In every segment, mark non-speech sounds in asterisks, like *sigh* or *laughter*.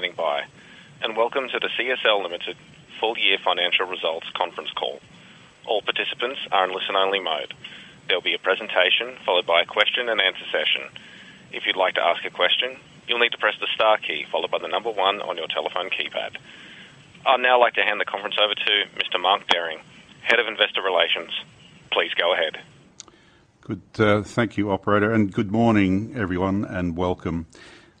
Thank you for standing by and welcome to the CSL Limited Full Year Financial Results conference call. All participants are in listen-only mode. There'll be a presentation followed by a question-and-answer session. If you'd like to ask a question, you'll need to press the star key followed by the number one on your telephone keypad. I'd now like to hand the conference over to Mr. Mark Dehring, Head of Investor Relations. Please go ahead. Good, thank you, operator, and good morning, everyone, and welcome.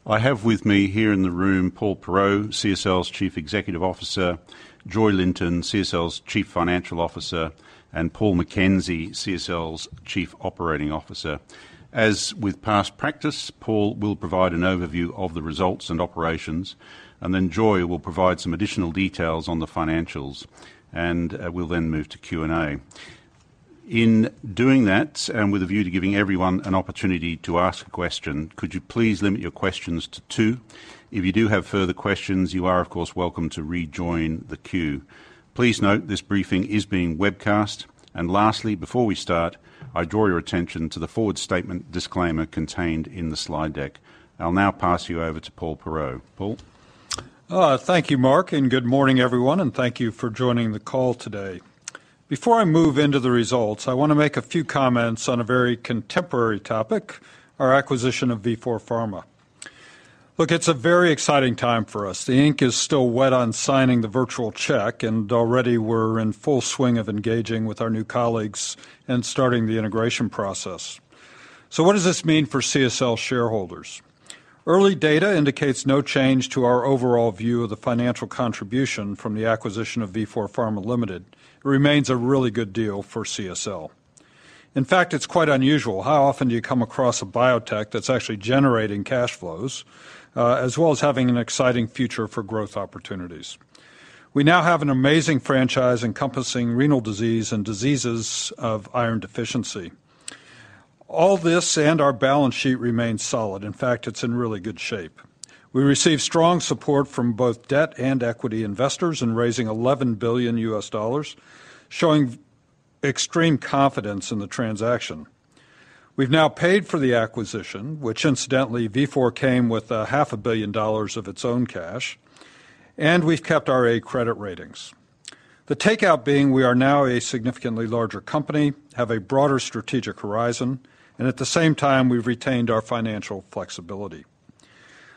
I have with me here in the room Paul Perreault, CSL's Chief Executive Officer, Joy Linton, CSL's Chief Financial Officer, and Paul McKenzie, CSL's Chief Operating Officer. As with past practice, Paul will provide an overview of the results and operations, and then Joy will provide some additional details on the financials. We'll then move to Q&A. In doing that, and with a view to giving everyone an opportunity to ask a question, could you please limit your questions to two? If you do have further questions, you are, of course, welcome to rejoin the queue. Please note this briefing is being webcast. Lastly, before we start, I draw your attention to the forward-looking statement disclaimer contained in the slide deck. I'll now pass you over to Paul Perreault. Paul. Thank you, Mark, and good morning, everyone, and thank you for joining the call today. Before I move into the results, I wanna make a few comments on a very contemporary topic, our acquisition of Vifor Pharma. Look, it's a very exciting time for us. The ink is still wet on signing the virtual check, and already we're in full swing of engaging with our new colleagues and starting the integration process. What does this mean for CSL shareholders? Early data indicates no change to our overall view of the financial contribution from the acquisition of Vifor Pharma Limited. It remains a really good deal for CSL. In fact, it's quite unusual. How often do you come across a biotech that's actually generating cash flows, as well as having an exciting future for growth opportunities? We now have an amazing franchise encompassing renal disease and diseases of iron deficiency. All this and our balance sheet remains solid. In fact, it's in really good shape. We received strong support from both debt and equity investors in raising $11 billion, showing extreme confidence in the transaction. We've now paid for the acquisition, which incidentally, Vifor came with half a billion dollars of its own cash, and we've kept our A credit ratings. The takeout being we are now a significantly larger company, have a broader strategic horizon, and at the same time, we've retained our financial flexibility.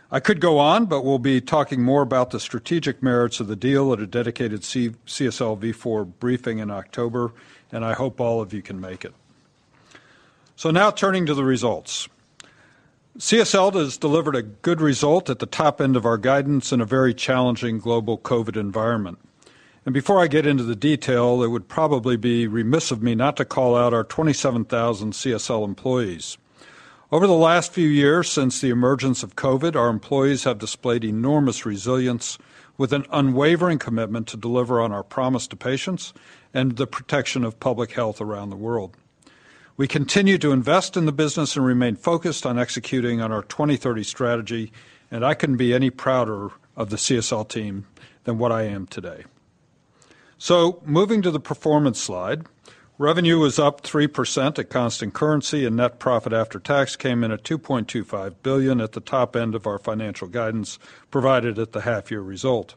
I could go on, but we'll be talking more about the strategic merits of the deal at a dedicated CSL Vifor briefing in October, and I hope all of you can make it. Now turning to the results. CSL has delivered a good result at the top end of our guidance in a very challenging global COVID environment. Before I get into the detail, it would probably be remiss of me not to call out our 27,000 CSL employees. Over the last few years, since the emergence of COVID, our employees have displayed enormous resilience with an unwavering commitment to deliver on our promise to patients and the protection of public health around the world. We continue to invest in the business and remain focused on executing on our 2030 strategy, and I couldn't be any prouder of the CSL team than what I am today. Moving to the performance slide. Revenue was up 3% at constant currency, and net profit after tax came in at 2.25 billion at the top end of our financial guidance provided at the half year result.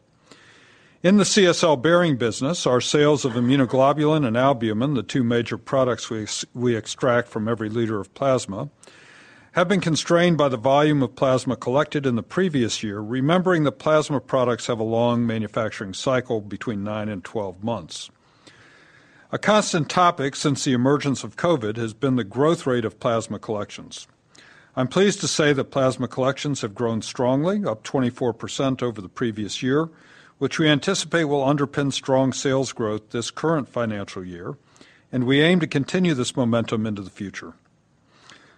In the CSL Behring business, our sales of immunoglobulin and albumin, the two major products we extract from every liter of plasma, have been constrained by the volume of plasma collected in the previous year, remembering that plasma products have a long manufacturing cycle between nine and 12 months. A constant topic since the emergence of COVID has been the growth rate of plasma collections. I'm pleased to say that plasma collections have grown strongly, up 24% over the previous year, which we anticipate will underpin strong sales growth this current financial year, and we aim to continue this momentum into the future.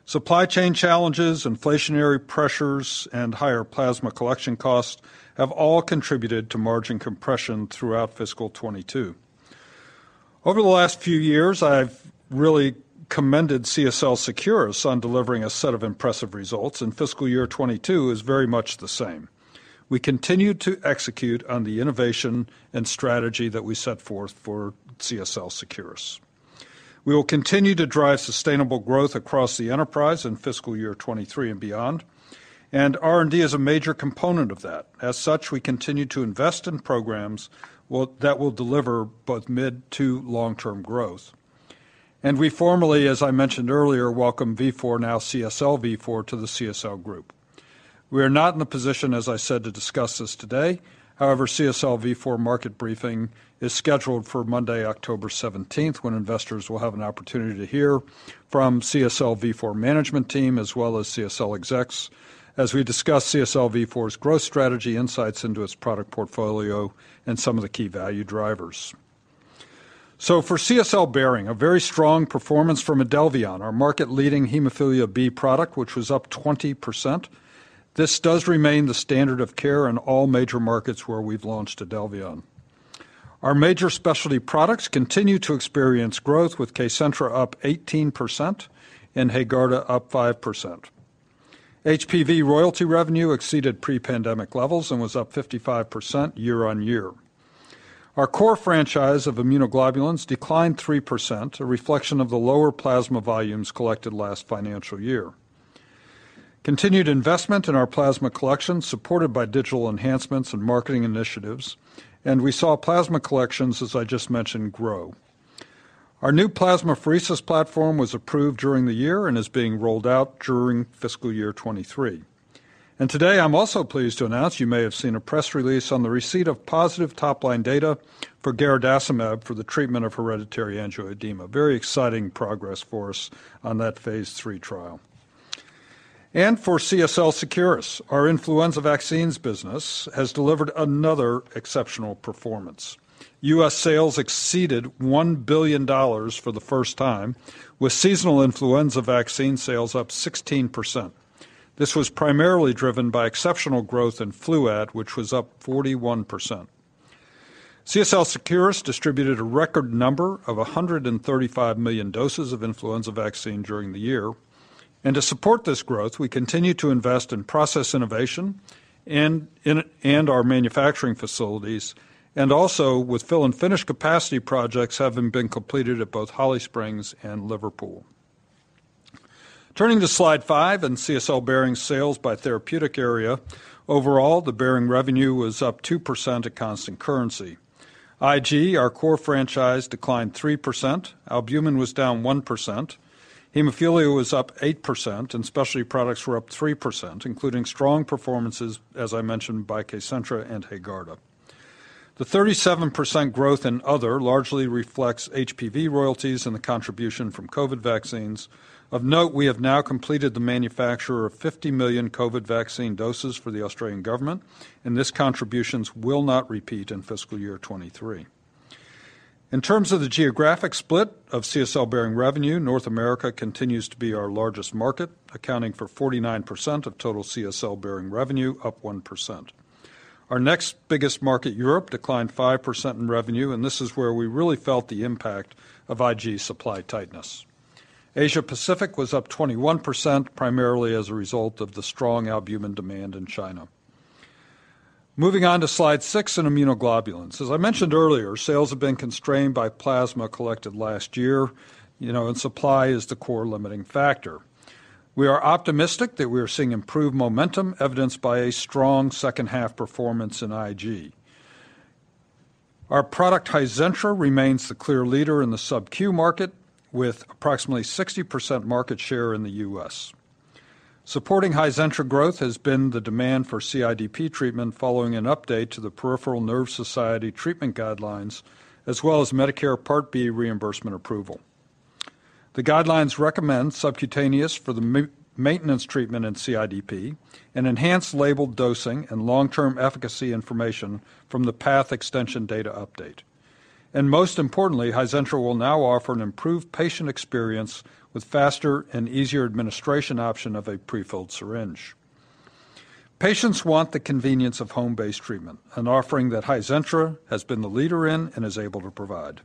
Supply chain challenges, inflationary pressures, and higher plasma collection costs have all contributed to margin compression throughout fiscal 2022. Over the last few years, I've really commended CSL Seqirus on delivering a set of impressive results, and fiscal year 2022 is very much the same. We continue to execute on the innovation and strategy that we set forth for CSL Seqirus. We will continue to drive sustainable growth across the enterprise in fiscal year 2023 and beyond. R&D is a major component of that. As such, we continue to invest in programs that will deliver both mid to long-term growth. We formally, as I mentioned earlier, welcome Vifor, now CSL Vifor, to the CSL group. We are not in the position, as I said, to discuss this today. However, CSL Vifor market briefing is scheduled for Monday, October seventeenth, when investors will have an opportunity to hear from CSL Vifor management team as well as CSL execs as we discuss CSL Vifor's growth strategy, insights into its product portfolio, and some of the key value drivers. For CSL Behring, a very strong performance from IDELVION, our market-leading hemophilia B product, which was up 20%. This does remain the standard of care in all major markets where we've launched IDELVION. Our major specialty products continue to experience growth with Kcentra up 18% and HAEGARDA up 5%. HPV royalty revenue exceeded pre-pandemic levels and was up 55% year-over-year. Our core franchise of immunoglobulins declined 3%, a reflection of the lower plasma volumes collected last financial year. Continued investment in our plasma collection, supported by digital enhancements and marketing initiatives, and we saw plasma collections, as I just mentioned, grow. Our new plasmapheresis platform was approved during the year and is being rolled out during fiscal year 2023. Today, I'm also pleased to announce you may have seen a press release on the receipt of positive top-line data for garadacimab for the treatment of hereditary angioedema. Very exciting progress for us on that phase III trial. For CSL Seqirus, our influenza vaccines business has delivered another exceptional performance. U.S. sales exceeded $1 billion for the first time, with seasonal influenza vaccine sales up 16%. This was primarily driven by exceptional growth in Fluad, which was up 41%. CSL Seqirus distributed a record number of 135 million doses of influenza vaccine during the year. To support this growth, we continue to invest in process innovation and our manufacturing facilities, and also with fill and finish capacity projects having been completed at both Holly Springs and Liverpool. Turning to slide 5 in CSL Behring sales by therapeutic area. Overall, the Behring revenue was up 2% at constant currency. IG, our core franchise, declined 3%. Albumin was down 1%. Hemophilia was up 8%, and specialty products were up 3%, including strong performances, as I mentioned, by Kcentra and HAEGARDA. The 37% growth in other largely reflects HPV royalties and the contribution from COVID vaccines. Of note, we have now completed the manufacture of 50 million COVID vaccine doses for the Australian government, and this contribution will not repeat in fiscal year 2023. In terms of the geographic split of CSL Behring revenue, North America continues to be our largest market, accounting for 49% of total CSL Behring revenue, up 1%. Our next biggest market, Europe, declined 5% in revenue, and this is where we really felt the impact of IG supply tightness. Asia-Pacific was up 21%, primarily as a result of the strong albumin demand in China. Moving on to slide 6 in immunoglobulins. As I mentioned earlier, sales have been constrained by plasma collected last year. You know, and supply is the core limiting factor. We are optimistic that we are seeing improved momentum evidenced by a strong second-half performance in IG. Our product, Hizentra, remains the clear leader in the sub-Q market, with approximately 60% market share in the U.S.. Supporting Hizentra growth has been the demand for CIDP treatment following an update to the Peripheral Nerve Society treatment guidelines, as well as Medicare Part B reimbursement approval. The guidelines recommend subcutaneous for the maintenance treatment in CIDP and enhanced label dosing and long-term efficacy information from the PATH extension data update. Most importantly, Hizentra will now offer an improved patient experience with faster and easier administration option of a prefilled syringe. Patients want the convenience of home-based treatment, an offering that Hizentra has been the leader in and is able to provide.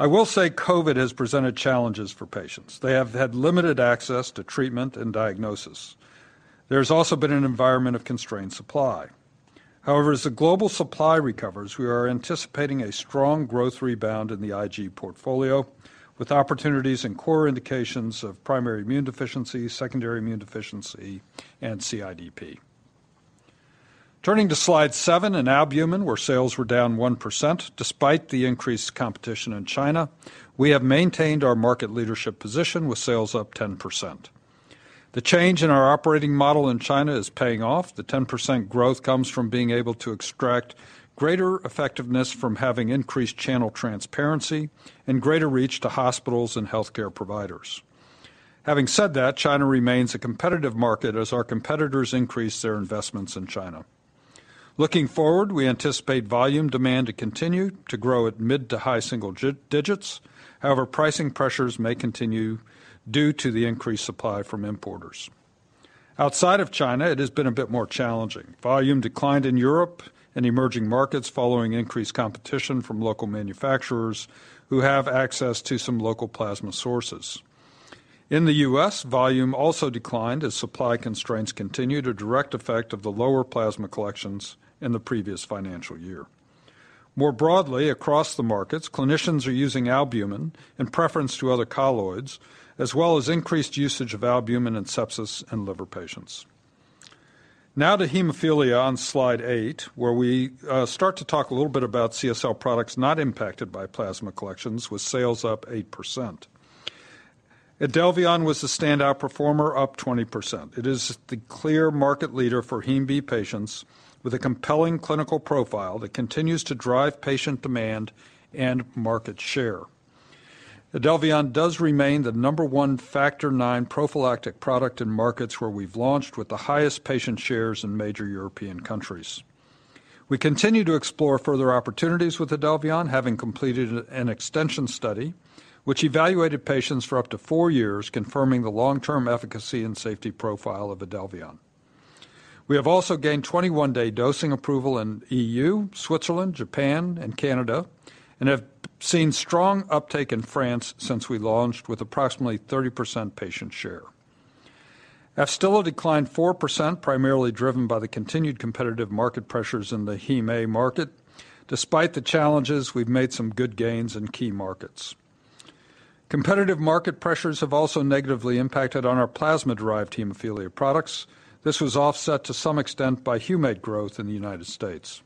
I will say COVID has presented challenges for patients. They have had limited access to treatment and diagnosis. There's also been an environment of constrained supply. However, as the global supply recovers, we are anticipating a strong growth rebound in the IG portfolio with opportunities in core indications of primary immune deficiency, secondary immune deficiency, and CIDP. Turning to slide 7 in albumin, where sales were down 1%. Despite the increased competition in China, we have maintained our market leadership position with sales up 10%. The change in our operating model in China is paying off. The 10% growth comes from being able to extract greater effectiveness from having increased channel transparency and greater reach to hospitals and healthcare providers. Having said that, China remains a competitive market as our competitors increase their investments in China. Looking forward, we anticipate volume demand to continue to grow at mid- to high-single-digit %. However, pricing pressures may continue due to the increased supply from importers. Outside of China, it has been a bit more challenging. Volume declined in Europe and emerging markets following increased competition from local manufacturers who have access to some local plasma sources. In the US, volume also declined as supply constraints continue due to the direct effect of the lower plasma collections in the previous financial year. More broadly, across the markets, clinicians are using albumin in preference to other colloids, as well as increased usage of albumin in sepsis and liver patients. Now to hemophilia on slide 8, where we start to talk a little bit about CSL products not impacted by plasma collections with sales up 8%. IDELVION was the standout performer, up 20%. It is the clear market leader for HemB patients with a compelling clinical profile that continues to drive patient demand and market share. IDELVION does remain the number one factor nine prophylactic product in markets where we've launched with the highest patient shares in major European countries. We continue to explore further opportunities with IDELVION, having completed an extension study which evaluated patients for up to four years, confirming the long-term efficacy and safety profile of IDELVION. We have also gained 21-day dosing approval in EU, Switzerland, Japan, and Canada, and have seen strong uptake in France since we launched with approximately 30% patient share. AFSTYLA declined 4%, primarily driven by the continued competitive market pressures in the Hem A market. Despite the challenges, we've made some good gains in key markets. Competitive market pressures have also negatively impacted on our plasma-derived hemophilia products. This was offset to some extent by Humate-P growth in the United States.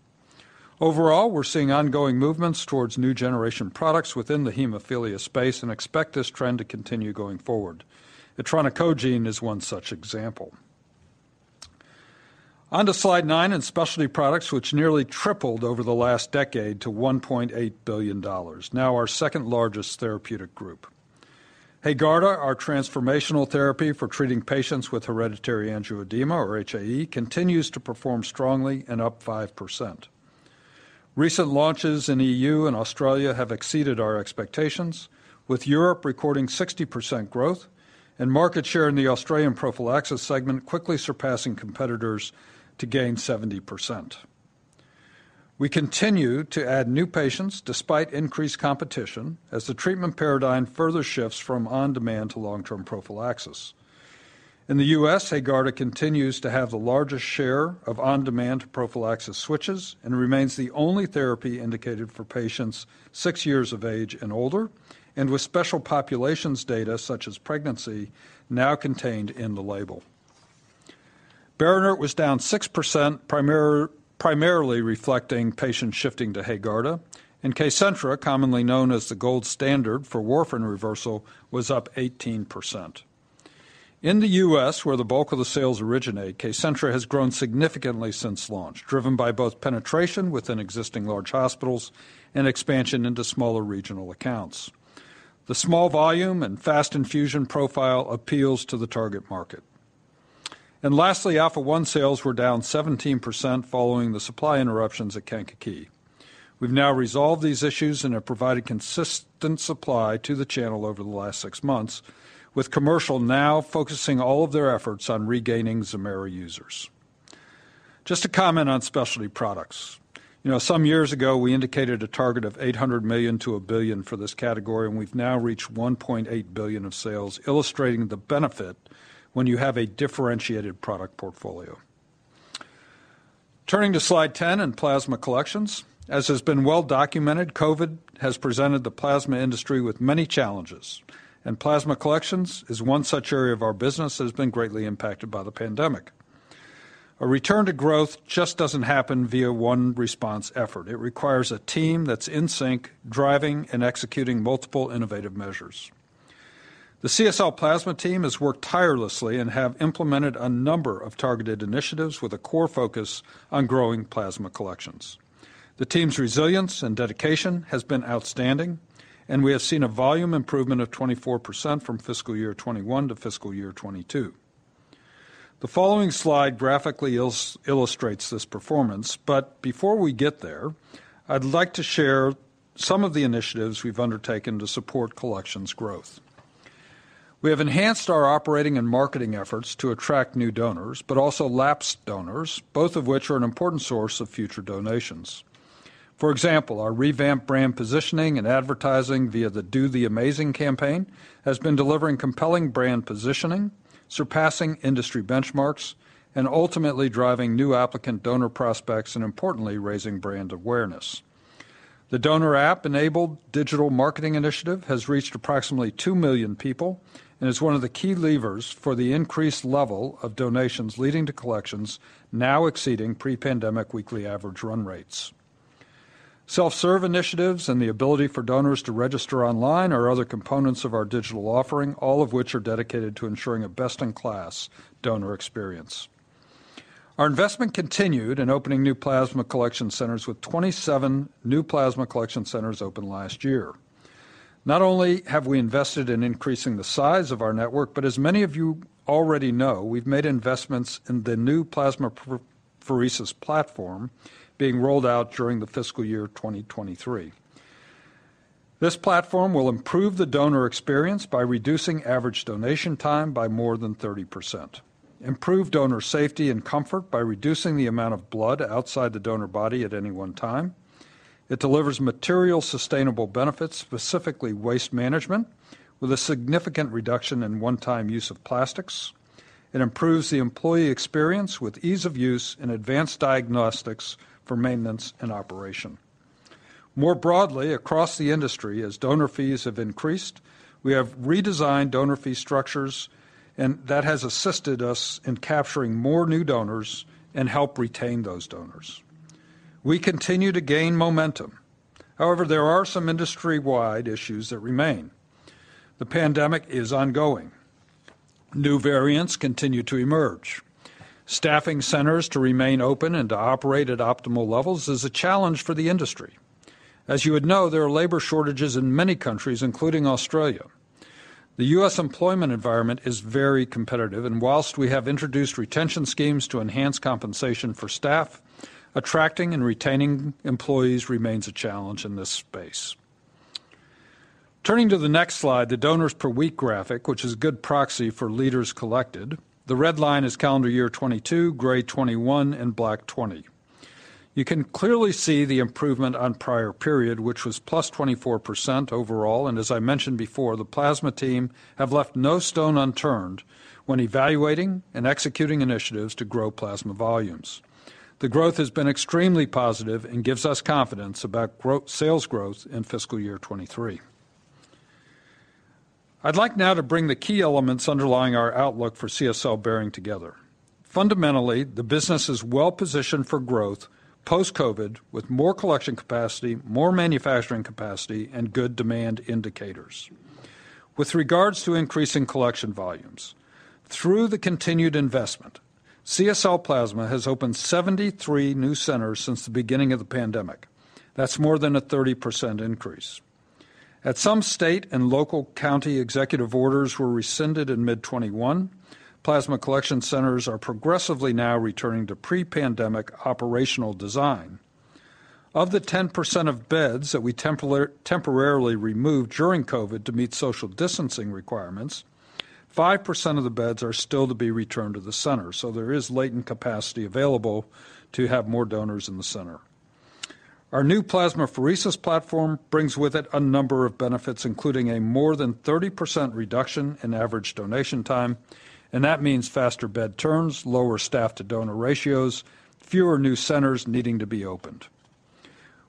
Overall, we're seeing ongoing movements towards new generation products within the hemophilia space and expect this trend to continue going forward. Etranacogene is one such example. On to Slide 9 in specialty products, which nearly tripled over the last decade to $1.8 billion. Now our second-largest therapeutic group. HAEGARDA, our transformational therapy for treating patients with hereditary angioedema, or HAE, continues to perform strongly and up 5%. Recent launches in EU and Australia have exceeded our expectations, with Europe recording 60% growth and market share in the Australian prophylaxis segment quickly surpassing competitors to gain 70%. We continue to add new patients despite increased competition as the treatment paradigm further shifts from on-demand to long-term prophylaxis. In the U.S., HAEGARDA continues to have the largest share of on-demand prophylaxis switches and remains the only therapy indicated for patients six years of age and older and with special populations data such as pregnancy now contained in the label. BERINERT was down 6% primarily reflecting patient shifting to HAEGARDA, and Kcentra, commonly known as the gold standard for warfarin reversal, was up 18%. In the U.S., where the bulk of the sales originate, Kcentra has grown significantly since launch, driven by both penetration within existing large hospitals and expansion into smaller regional accounts. The small volume and fast infusion profile appeals to the target market. Lastly, Alpha-1 sales were down 17% following the supply interruptions at Kankakee. We've now resolved these issues and have provided consistent supply to the channel over the last six months, with commercial now focusing all of their efforts on regaining ZEMAIRA users. Just to comment on specialty products. You know, some years ago, we indicated a target of $800 million-$1 billion for this category, and we've now reached $1.8 billion of sales, illustrating the benefit when you have a differentiated product portfolio. Turning to Slide 10 in plasma collections. As has been well documented, COVID has presented the plasma industry with many challenges, and plasma collections is one such area of our business that has been greatly impacted by the pandemic. A return to growth just doesn't happen via one response effort. It requires a team that's in sync, driving and executing multiple innovative measures. The CSL Plasma team has worked tirelessly and have implemented a number of targeted initiatives with a core focus on growing plasma collections. The team's resilience and dedication has been outstanding, and we have seen a volume improvement of 24% from fiscal year 2021 to fiscal year 2022. The following slide graphically illustrates this performance, but before we get there, I'd like to share some of the initiatives we've undertaken to support collections growth. We have enhanced our operating and marketing efforts to attract new donors, but also lapsed donors, both of which are an important source of future donations. For example, our revamped brand positioning and advertising via the Do the Amazing campaign has been delivering compelling brand positioning, surpassing industry benchmarks, and ultimately driving new applicant donor prospects and importantly, raising brand awareness. The donor app-enabled digital marketing initiative has reached approximately 2 million people and is one of the key levers for the increased level of donations leading to collections now exceeding pre-pandemic weekly average run rates. Self-serve initiatives and the ability for donors to register online are other components of our digital offering, all of which are dedicated to ensuring a best-in-class donor experience. Our investment continued in opening new plasma collection centers with 27 new plasma collection centers opened last year. Not only have we invested in increasing the size of our network, but as many of you already know, we've made investments in the new plasma plasmapheresis platform being rolled out during the fiscal year 2023. This platform will improve the donor experience by reducing average donation time by more than 30%, improve donor safety and comfort by reducing the amount of blood outside the donor body at any one time. It delivers material sustainable benefits, specifically waste management, with a significant reduction in one-time use of plastics. It improves the employee experience with ease of use and advanced diagnostics for maintenance and operation. More broadly, across the industry, as donor fees have increased, we have redesigned donor fee structures, and that has assisted us in capturing more new donors and help retain those donors. We continue to gain momentum. However, there are some industry-wide issues that remain. The pandemic is ongoing. New variants continue to emerge. Staffing centers to remain open and to operate at optimal levels is a challenge for the industry. As you would know, there are labor shortages in many countries, including Australia. The U.S. employment environment is very competitive, and while we have introduced retention schemes to enhance compensation for staff, attracting and retaining employees remains a challenge in this space. Turning to the next slide, the donors per week graphic, which is a good proxy for liters collected. The red line is calendar year 2022, gray 2021, and black 2020. You can clearly see the improvement on prior period, which was +24% overall. As I mentioned before, the plasma team have left no stone unturned when evaluating and executing initiatives to grow plasma volumes. The growth has been extremely positive and gives us confidence about sales growth in fiscal year 2023. I'd like now to bring the key elements underlying our outlook for CSL Behring together. Fundamentally, the business is well-positioned for growth post-COVID, with more collection capacity, more manufacturing capacity, and good demand indicators. With regards to increasing collection volumes, through the continued investment, CSL Plasma has opened 73 new centers since the beginning of the pandemic. That's more than a 30% increase. As some state and local county executive orders were rescinded in mid-2021, plasma collection centers are progressively now returning to pre-pandemic operational design. Of the 10% of beds that we temporarily removed during COVID to meet social distancing requirements, 5% of the beds are still to be returned to the center, so there is latent capacity available to have more donors in the center. Our new plasmapheresis platform brings with it a number of benefits, including a more than 30% reduction in average donation time, and that means faster bed turns, lower staff-to-donor ratios, fewer new centers needing to be opened.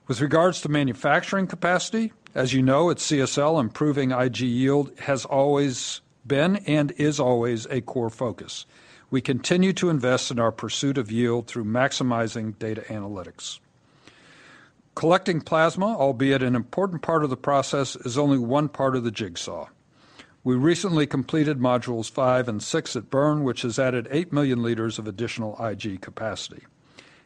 With regards to manufacturing capacity, as you know, at CSL, improving IG yield has always been and is always a core focus. We continue to invest in our pursuit of yield through maximizing data analytics. Collecting plasma, albeit an important part of the process, is only one part of the jigsaw. We recently completed modules five and six at Bern, which has added 8 million liters of additional IG capacity.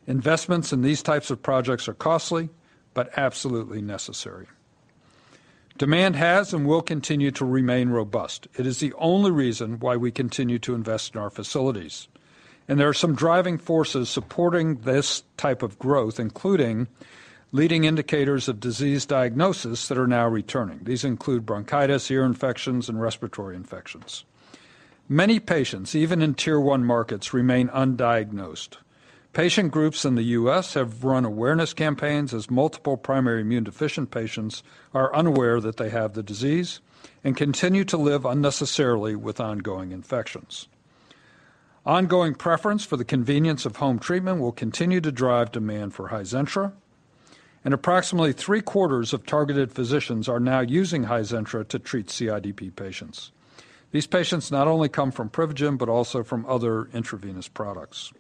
Investments in these types of projects are costly but absolutely necessary. Demand has and will continue to remain robust. It is the only reason why we continue to invest in our facilities. There are some driving forces supporting this type of growth, including leading indicators of disease diagnosis that are now returning. These include bronchitis, ear infections, and respiratory infections. Many patients, even in Tier one markets, remain undiagnosed. Patient groups in the U.S. have run awareness campaigns as multiple primary immunodeficient patients are unaware that they have the disease and continue to live unnecessarily with ongoing infections. Ongoing preference for the convenience of home treatment will continue to drive demand for Hizentra, and approximately three-quarters of targeted physicians are now using Hizentra to treat CIDP patients. These patients not only come from Privigen, but also from other intravenous products.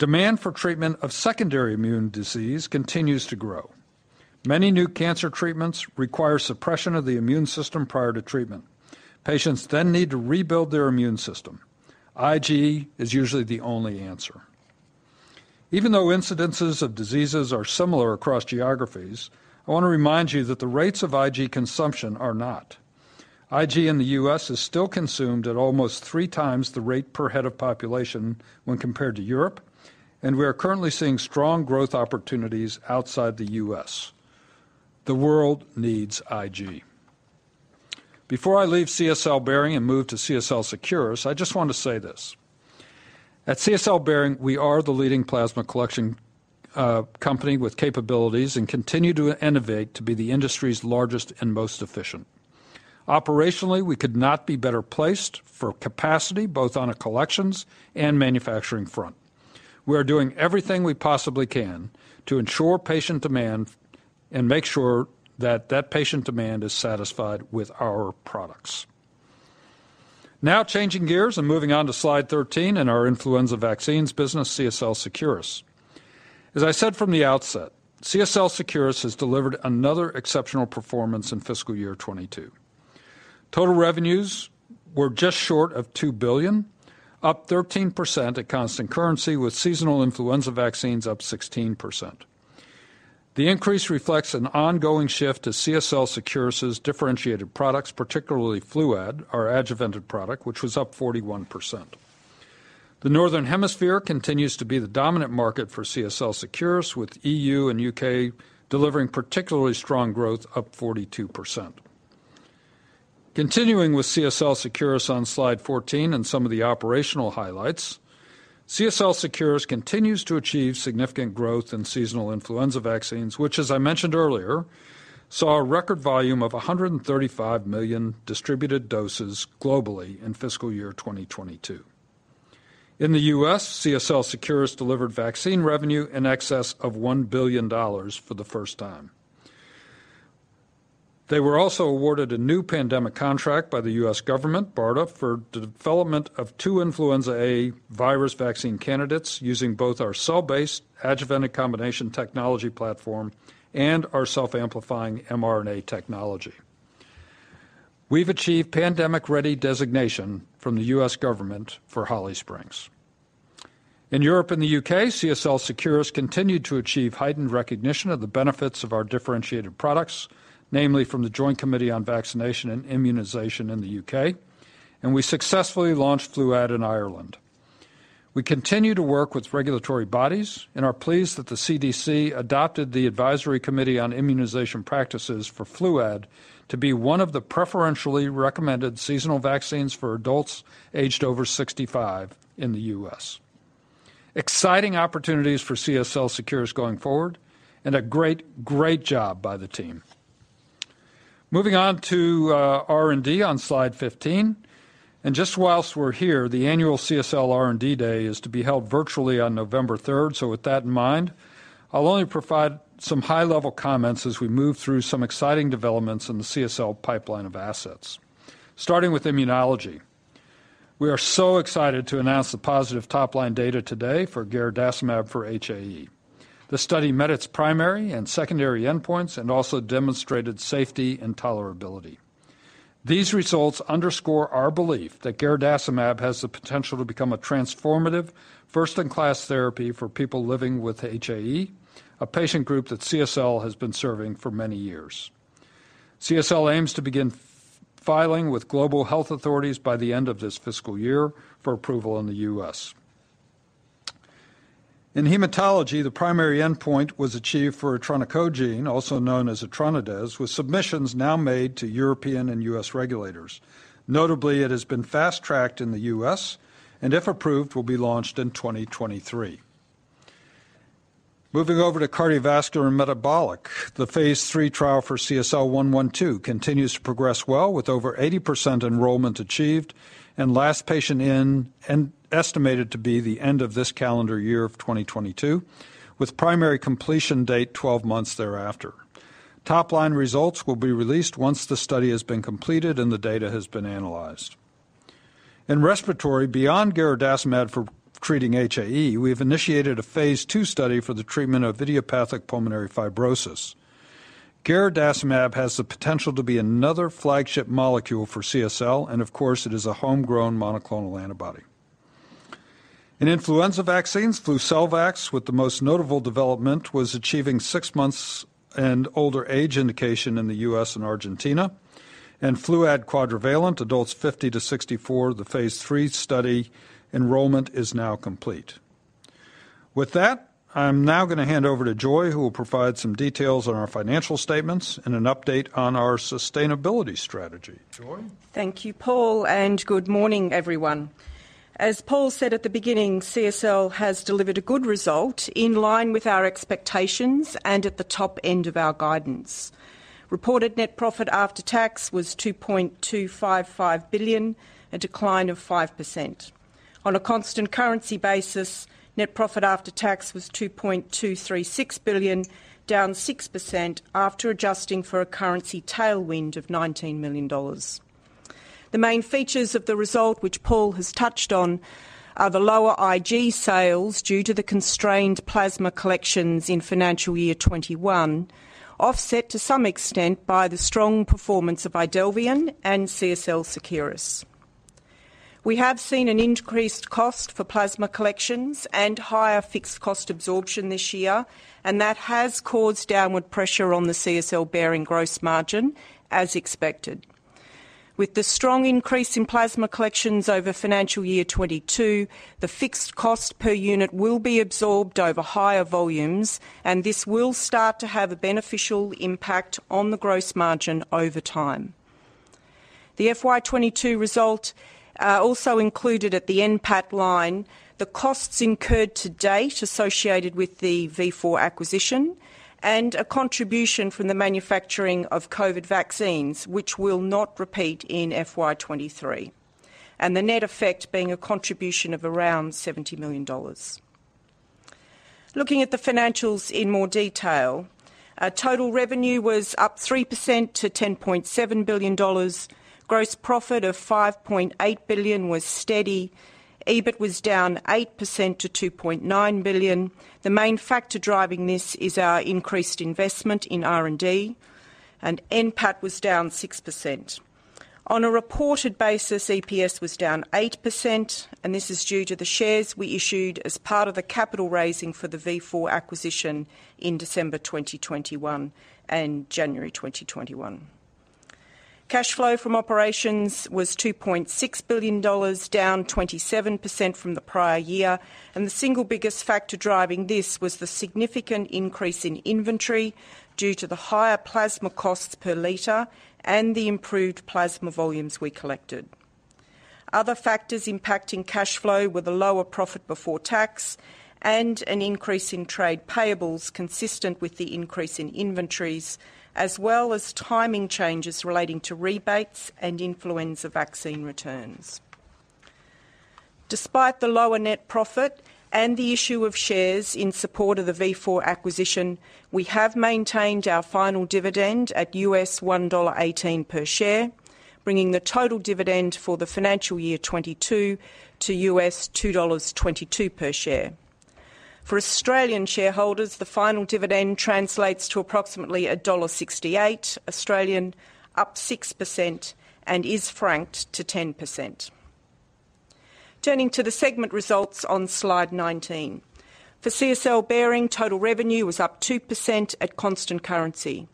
Demand for treatment of secondary immune disease continues to grow. Many new cancer treatments require suppression of the immune system prior to treatment. Patients then need to rebuild their immune system. IG is usually the only answer. Even though incidences of diseases are similar across geographies, I want to remind you that the rates of IG consumption are not. IG in the U.S. is still consumed at almost three times the rate per head of population when compared to Europe, and we are currently seeing strong growth opportunities outside the U.S.. The world needs IG. Before I leave CSL Behring and move to CSL Seqirus, I just want to say this. At CSL Behring, we are the leading plasma collection company with capabilities and continue to innovate to be the industry's largest and most efficient. Operationally, we could not be better placed for capacity, both on a collections and manufacturing front. We are doing everything we possibly can to ensure patient demand and make sure that patient demand is satisfied with our products. Changing gears and moving on to slide 13 and our influenza vaccines business, CSL Seqirus. As I said from the outset, CSL Seqirus has delivered another exceptional performance in fiscal year 2022. Total revenues were just short of 2 billion, up 13% at constant currency, with seasonal influenza vaccines up 16%. The increase reflects an ongoing shift to CSL Seqirus' differentiated products, particularly Fluad, our adjuvanted product, which was up 41%. The Northern Hemisphere continues to be the dominant market for CSL Seqirus, with EU and U.K. delivering particularly strong growth, up 42%. Continuing with CSL Seqirus on slide 14 and some of the operational highlights, CSL Seqirus continues to achieve significant growth in seasonal influenza vaccines, which, as I mentioned earlier, saw a record volume of 135 million distributed doses globally in fiscal year 2022. In the US, CSL Seqirus delivered vaccine revenue in excess of $1 billion for the first time. They were also awarded a new pandemic contract by the U.S. government, BARDA, for the development of two influenza A virus vaccine candidates using both our cell-based adjuvant combination technology platform and our self-amplifying mRNA technology. We've achieved pandemic ready designation from the US government for Holly Springs. In Europe and the U.K., CSL Seqirus continued to achieve heightened recognition of the benefits of our differentiated products, namely from the Joint Committee on Vaccination and Immunisation in the U.K., and we successfully launched Fluad in Ireland. We continue to work with regulatory bodies and are pleased that the CDC adopted the Advisory Committee on Immunization Practices for Fluad to be one of the preferentially recommended seasonal vaccines for adults aged over 65 in the U.S.. Exciting opportunities for CSL Seqirus going forward and a great job by the team. Moving on to R&D on slide 15. Just whilst we're here, the annual CSL R&D day is to be held virtually on November third. With that in mind, I'll only provide some high-level comments as we move through some exciting developments in the CSL pipeline of assets. Starting with immunology. We are so excited to announce the positive top-line data today for garadacimab for HAE. The study met its primary and secondary endpoints and also demonstrated safety and tolerability. These results underscore our belief that garadacimab has the potential to become a transformative first-in-class therapy for people living with HAE, a patient group that CSL has been serving for many years. CSL aims to begin filing with global health authorities by the end of this fiscal year for approval in the U.S.. In hematology, the primary endpoint was achieved for Etranacogene dezaparvovec, also known as HEMGENIX, with submissions now made to European and U.S. regulators. Notably, it has been fast-tracked in the U.S., and if approved, will be launched in 2023. Moving over to cardiovascular and metabolic. The phase III trial for CSL112 continues to progress well, with over 80% enrollment achieved and last patient in estimated to be the end of this calendar year of 2022, with primary completion date 12 months thereafter. Top-line results will be released once the study has been completed and the data has been analyzed. In respiratory, beyond garadacimab for treating HAE, we have initiated a phase II study for the treatment of idiopathic pulmonary fibrosis. Garadacimab has the potential to be another flagship molecule for CSL, and of course, it is a homegrown monoclonal antibody. In influenza vaccines, Flucelvax, with the most notable development, was achieving six months and older age indication in the U.S. and Argentina. In Fluad Quadrivalent, adults 50-64, the phase III study enrollment is now complete. With that, I'm now gonna hand over to Joy, who will provide some details on our financial statements and an update on our sustainability strategy. Joy? Thank you, Paul, and good morning, everyone. As Paul said at the beginning, CSL has delivered a good result in line with our expectations and at the top end of our guidance. Reported net profit after tax was 2.255 billion, a decline of 5%. On a constant currency basis, net profit after tax was 2.236 billion, down 6% after adjusting for a currency tailwind of 19 million dollars. The main features of the result which Paul has touched on are the lower IG sales due to the constrained plasma collections in financial year 2021, offset to some extent by the strong performance of IDELVION and CSL Seqirus. We have seen an increased cost for plasma collections and higher fixed cost absorption this year, and that has caused downward pressure on the CSL Behring gross margin as expected. With the strong increase in plasma collections over financial year 2022, the fixed cost per unit will be absorbed over higher volumes, and this will start to have a beneficial impact on the gross margin over time. The FY 2022 result also included at the NPAT line the costs incurred to date associated with the Vifor acquisition and a contribution from the manufacturing of COVID vaccines, which will not repeat in FY 2023, and the net effect being a contribution of around 70 million dollars. Looking at the financials in more detail, our total revenue was up 3% to 10.7 billion dollars. Gross profit of 5.8 billion was steady. EBIT was down 8% to 2.9 billion. The main factor driving this is our increased investment in R&D, and NPAT was down 6%. On a reported basis, EPS was down 8%, and this is due to the shares we issued as part of the capital raising for the Vifor acquisition in December 2021 and January 2022. Cash flow from operations was $2.6 billion, down 27% from the prior year. The single biggest factor driving this was the significant increase in inventory due to the higher plasma costs per liter and the improved plasma volumes we collected. Other factors impacting cash flow were the lower profit before tax and an increase in trade payables consistent with the increase in inventories, as well as timing changes relating to rebates and influenza vaccine returns. Despite the lower net profit and the issue of shares in support of the Vifor acquisition, we have maintained our final dividend at $1.18 per share, bringing the total dividend for the financial year 2022 to $2.22 per share. For Australian shareholders, the final dividend translates to approximately 1.68 Australian dollars, up 6% and is franked to 10%. Turning to the segment results on slide 19. For CSL Behring, total revenue was up 2% at constant currency.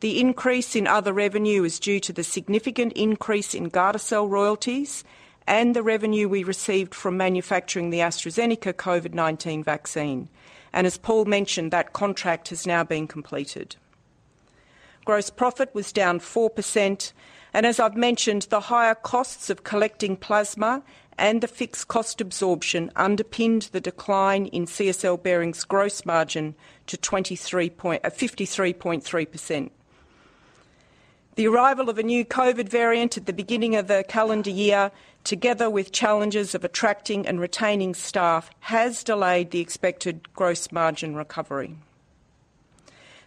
The increase in other revenue is due to the significant increase in Gardasil royalties and the revenue we received from manufacturing the AstraZeneca COVID-19 vaccine. As Paul mentioned, that contract has now been completed. Gross profit was down 4%, and as I've mentioned, the higher costs of collecting plasma and the fixed cost absorption underpinned the decline in CSL Behring's gross margin to 53.3%. The arrival of a new COVID variant at the beginning of the calendar year, together with challenges of attracting and retaining staff, has delayed the expected gross margin recovery.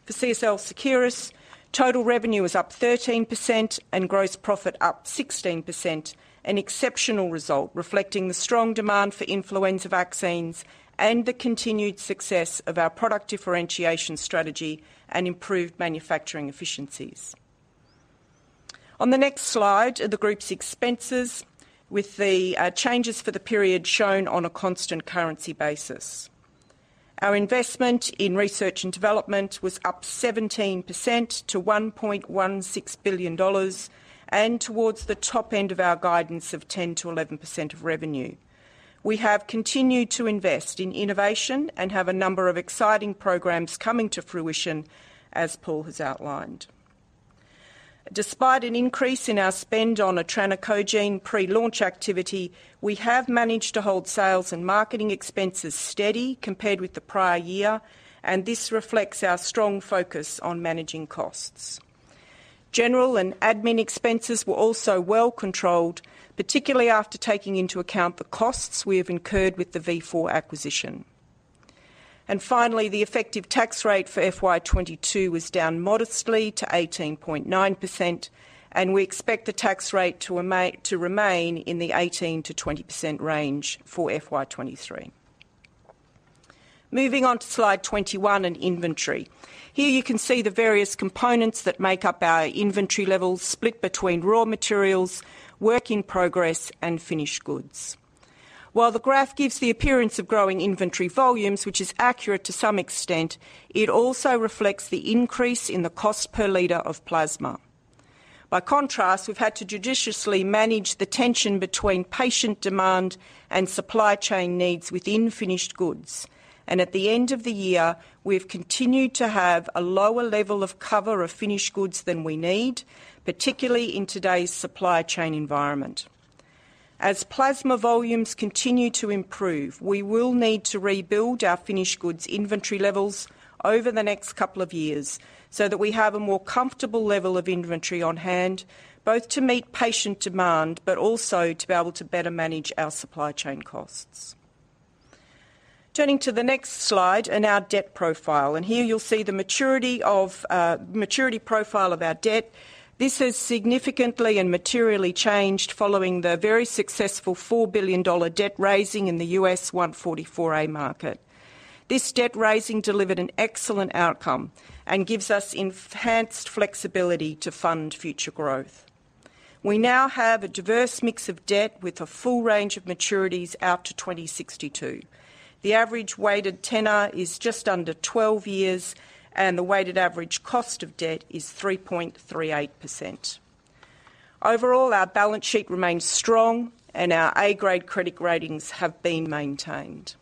For CSL Seqirus, total revenue is up 13% and gross profit up 16%, an exceptional result reflecting the strong demand for influenza vaccines and the continued success of our product differentiation strategy and improved manufacturing efficiencies. On the next slide are the group's expenses with the changes for the period shown on a constant currency basis. Our investment in research and development was up 17% to $1.16 billion and towards the top end of our guidance of 10%-11% of revenue. We have continued to invest in innovation and have a number of exciting programs coming to fruition as Paul has outlined. Despite an increase in our spend on Etranacogene pre-launch activity, we have managed to hold sales and marketing expenses steady compared with the prior year, and this reflects our strong focus on managing costs. General and admin expenses were also well controlled, particularly after taking into account the costs we have incurred with the Vifor acquisition. Finally, the effective tax rate for FY 2022 was down modestly to 18.9%, and we expect the tax rate to remain in the 18%-20% range for FY 2023. Moving on to slide 21 in inventory. Here you can see the various components that make up our inventory levels split between raw materials, work in progress, and finished goods. While the graph gives the appearance of growing inventory volumes, which is accurate to some extent, it also reflects the increase in the cost per liter of plasma. By contrast, we've had to judiciously manage the tension between patient demand and supply chain needs within finished goods, and at the end of the year, we've continued to have a lower level of cover of finished goods than we need, particularly in today's supply chain environment. As plasma volumes continue to improve, we will need to rebuild our finished goods inventory levels over the next couple of years so that we have a more comfortable level of inventory on hand, both to meet patient demand, but also to be able to better manage our supply chain costs. Turning to the next slide in our debt profile, and here you'll see the maturity profile of our debt. This has significantly and materially changed following the very successful $4 billion debt raising in the U.S. 144A market. This debt raising delivered an excellent outcome and gives us enhanced flexibility to fund future growth. We now have a diverse mix of debt with a full range of maturities out to 2062. The average weighted tenor is just under 12 years, and the weighted average cost of debt is 3.38%. Overall, our balance sheet remains strong, and our A grade credit ratings have been maintained.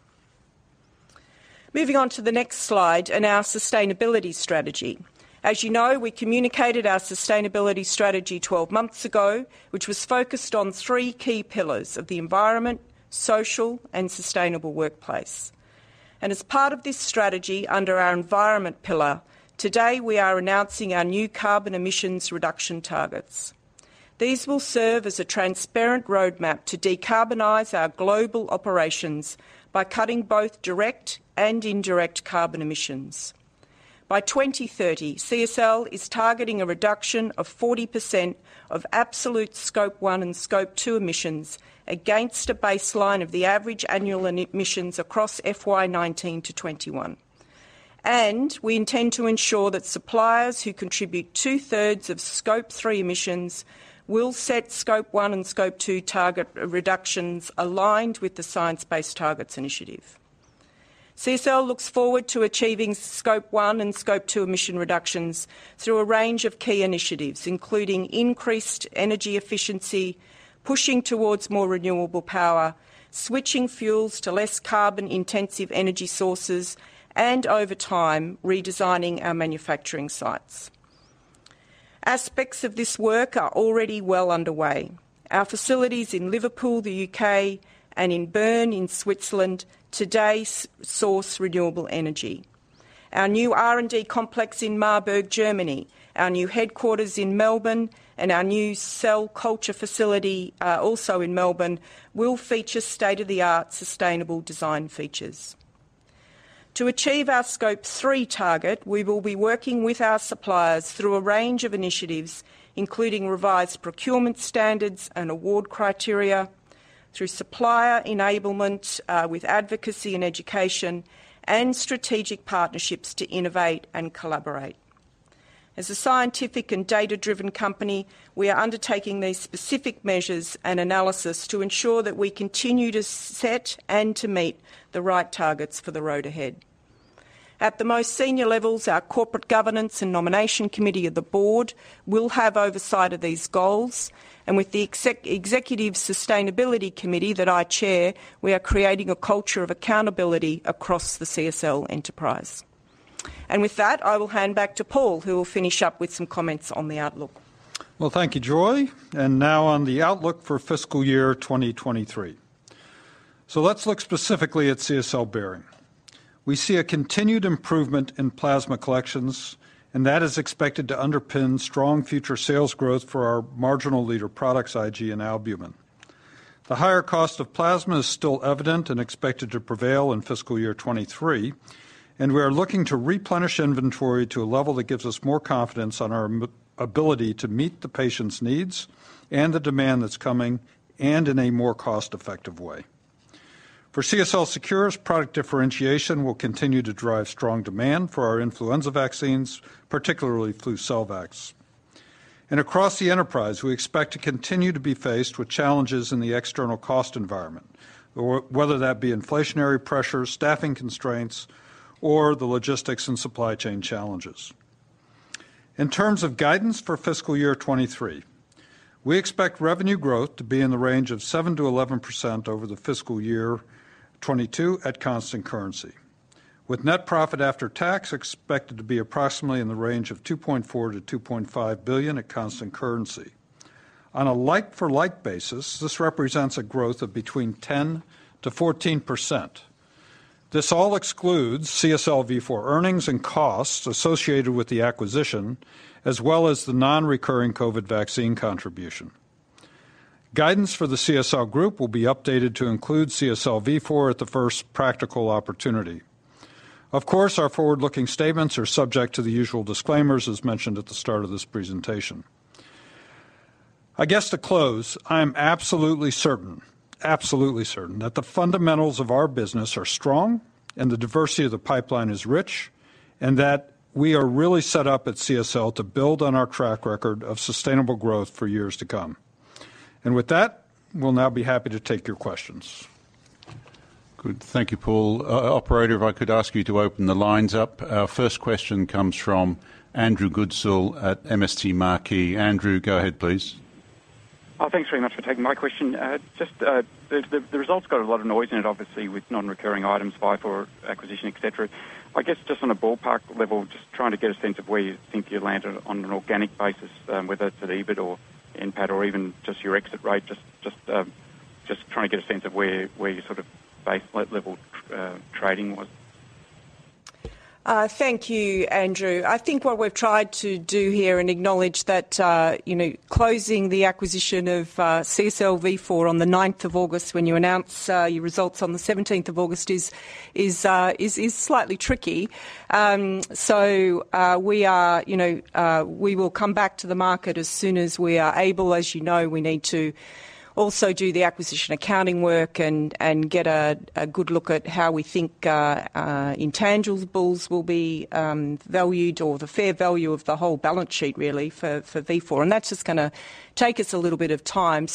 Moving on to the next slide in our sustainability strategy. As you know, we communicated our sustainability strategy 12 months ago, which was focused on three key pillars of the environment, social, and sustainable workplace. As part of this strategy under our environment pillar, today we are announcing our new carbon emissions reduction targets. These will serve as a transparent roadmap to decarbonize our global operations by cutting both direct and indirect carbon emissions. By 2030, CSL is targeting a reduction of 40% of absolute Scope 1 and Scope 2 emissions against a baseline of the average annual emissions across FY 2019 to 2021. We intend to ensure that suppliers who contribute two-thirds of scope three emissions will set scope one and scope two target reductions aligned with the Science Based Targets initiative. CSL looks forward to achieving scope one and scope two emission reductions through a range of key initiatives, including increased energy efficiency, pushing towards more renewable power, switching fuels to less carbon-intensive energy sources, and over time, redesigning our manufacturing sites. Aspects of this work are already well underway. Our facilities in Liverpool, the U.K., and in Bern, in Switzerland, today source renewable energy. Our new R&D complex in Marburg, Germany, our new headquarters in Melbourne, and our new cell culture facility, also in Melbourne, will feature state-of-the-art sustainable design features. To achieve our Scope 3 target, we will be working with our suppliers through a range of initiatives, including revised procurement standards and award criteria, through supplier enablement, with advocacy and education, and strategic partnerships to innovate and collaborate. As a scientific and data-driven company, we are undertaking these specific measures and analysis to ensure that we continue to set and to meet the right targets for the road ahead. At the most senior levels, our corporate governance and nomination committee of the board will have oversight of these goals, and with the Executive Sustainability Committee that I chair, we are creating a culture of accountability across the CSL enterprise. With that, I will hand back to Paul, who will finish up with some comments on the outlook. Well, thank you, Joy. Now on the outlook for fiscal year 2023. Let's look specifically at CSL Behring. We see a continued improvement in plasma collections, and that is expected to underpin strong future sales growth for our market leader products, IG and albumin. The higher cost of plasma is still evident and expected to prevail in fiscal year 2023, and we are looking to replenish inventory to a level that gives us more confidence on our ability to meet the patient's needs and the demand that's coming, and in a more cost-effective way. For CSL Seqirus, product differentiation will continue to drive strong demand for our influenza vaccines, particularly Flucelvax. Across the enterprise, we expect to continue to be faced with challenges in the external cost environment, whether that be inflationary pressures, staffing constraints, or the logistics and supply chain challenges. In terms of guidance for fiscal year 2023, we expect revenue growth to be in the range of 7%-11% over the fiscal year 2022 at constant currency, with net profit after tax expected to be approximately in the range of 2.4 billion-2.5 billion at constant currency. On a like for like basis, this represents a growth of between 10%-14%. This all excludes CSL Vifor earnings and costs associated with the acquisition, as well as the non-recurring COVID vaccine contribution. Guidance for the CSL group will be updated to include CSL Vifor at the first practical opportunity. Of course, our forward-looking statements are subject to the usual disclaimers, as mentioned at the start of this presentation. I guess to close, I am absolutely certain that the fundamentals of our business are strong and the diversity of the pipeline is rich, and that we are really set up at CSL to build on our track record of sustainable growth for years to come. With that, we'll now be happy to take your questions. Good. Thank you, Paul. Operator, if I could ask you to open the lines up. Our first question comes from Andrew Goodsall at MST Marquee. Andrew, go ahead, please. Thanks very much for taking my question. Just, the result's got a lot of noise in it, obviously, with non-recurring items, Vifor acquisition, et cetera. I guess just on a ballpark level, just trying to get a sense of where you think you landed on an organic basis, whether it's at EBIT or NPAT or even just your exit rate. Just trying to get a sense of where you sort of base level trading was. Thank you, Andrew. I think what we've tried to do here and acknowledge that, you know, closing the acquisition of CSL Vifor on the ninth of August when you announce your results on the seventeenth of August is slightly tricky. We will come back to the market as soon as we are able. As you know, we need to also do the acquisition accounting work and get a good look at how we think intangibles will be valued or the fair value of the whole balance sheet really for Vifor. That's just gonna take us a little bit of time.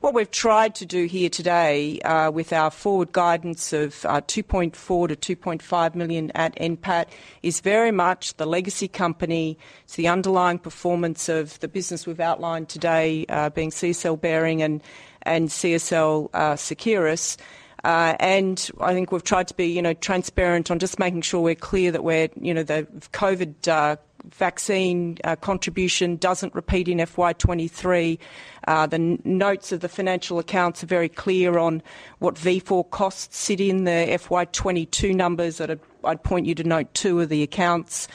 What we've tried to do here today, with our forward guidance of 2.4 million-2.5 million at NPAT is very much the legacy company. It's the underlying performance of the business we've outlined today, being CSL Behring and CSL Seqirus. I think we've tried to be, you know, transparent on just making sure we're clear that we're, you know, the COVID vaccine contribution doesn't repeat in FY 2023. The notes of the financial accounts are very clear on what Vifor costs sit in the FY 2022 numbers that I'd point you to note two of the accounts.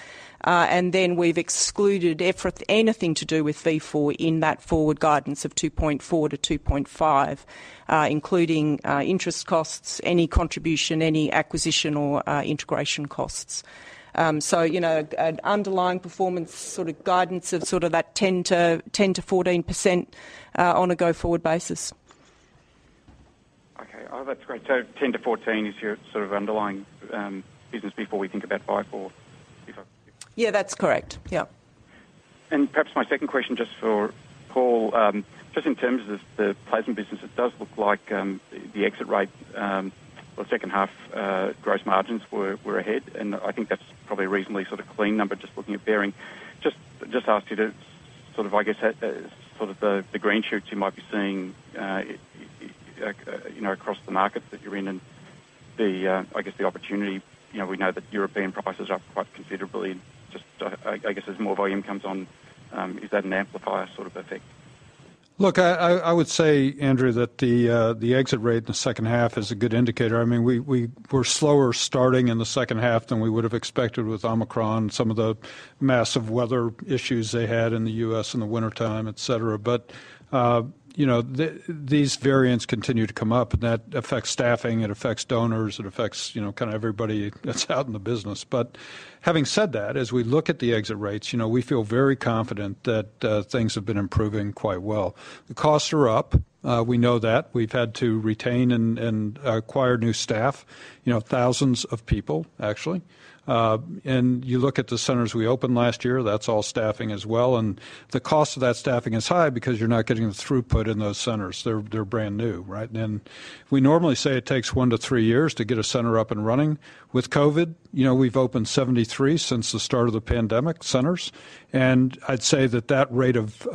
We've excluded Vifor, anything to do with Vifor in that forward guidance of $2.4-$2.5, including interest costs, any contingent, any acquisition or integration costs. You know, an underlying performance sort of guidance of sort of that 10%-14% on a go-forward basis. Okay. Oh, that's great. 10-14 is your sort of underlying business before we think about 54, if I Yeah, that's correct. Yep. Perhaps my second question just for Paul, just in terms of the plasma business, it does look like the exit rate or second half gross margins were ahead. I think that's probably a reasonably sort of clean number just looking at Behring. Just ask you to sort of, I guess, sort of the green shoots you might be seeing, you know, across the markets that you're in and the, I guess the opportunity. You know, we know that European prices are up quite considerably. Just I guess as more volume comes on, is that an amplifier sort of effect? Look, I would say, Andrew, that the exit rate in the second half is a good indicator. I mean, we're slower starting in the second half than we would have expected with Omicron, some of the massive weather issues they had in the U.S. in the wintertime, et cetera. You know, these variants continue to come up, and that affects staffing, it affects donors, it affects, you know, kinda everybody that's out in the business. Having said that, as we look at the exit rates, you know, we feel very confident that things have been improving quite well. The costs are up. We know that. We've had to retain and acquire new staff, you know, thousands of people actually. You look at the centers we opened last year, that's all staffing as well. The cost of that staffing is high because you're not getting the throughput in those centers. They're brand new, right? We normally say it takes 1-3 years to get a center up and running. With COVID, you know, we've opened 73 centers since the start of the pandemic, and I'd say that rate of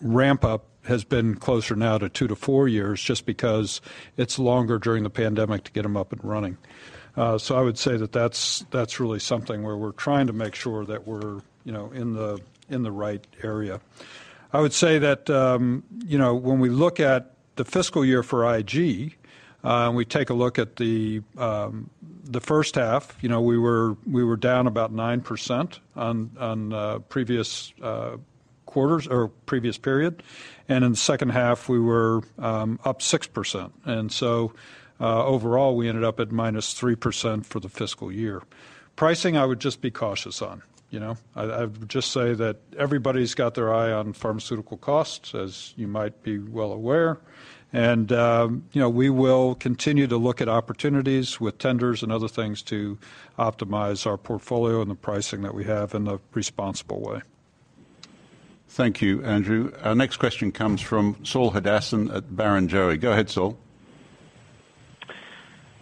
ramp-up has been closer now to 2-4 years just because it's longer during the pandemic to get them up and running. I would say that's really something where we're trying to make sure that we're, you know, in the right area. I would say that, you know, when we look at the fiscal year for IG, and we take a look at the first half, you know, we were down about 9% on previous quarters or previous period. In the second half, we were up 6%. Overall, we ended up at -3% for the fiscal year. Pricing, I would just be cautious on, you know. I'd just say that everybody's got their eye on pharmaceutical costs, as you might be well aware. You know, we will continue to look at opportunities with tenders and other things to optimize our portfolio and the pricing that we have in a responsible way. Thank you, Andrew. Our next question comes from Saul Hadassin at Barrenjoey. Go ahead, Saul.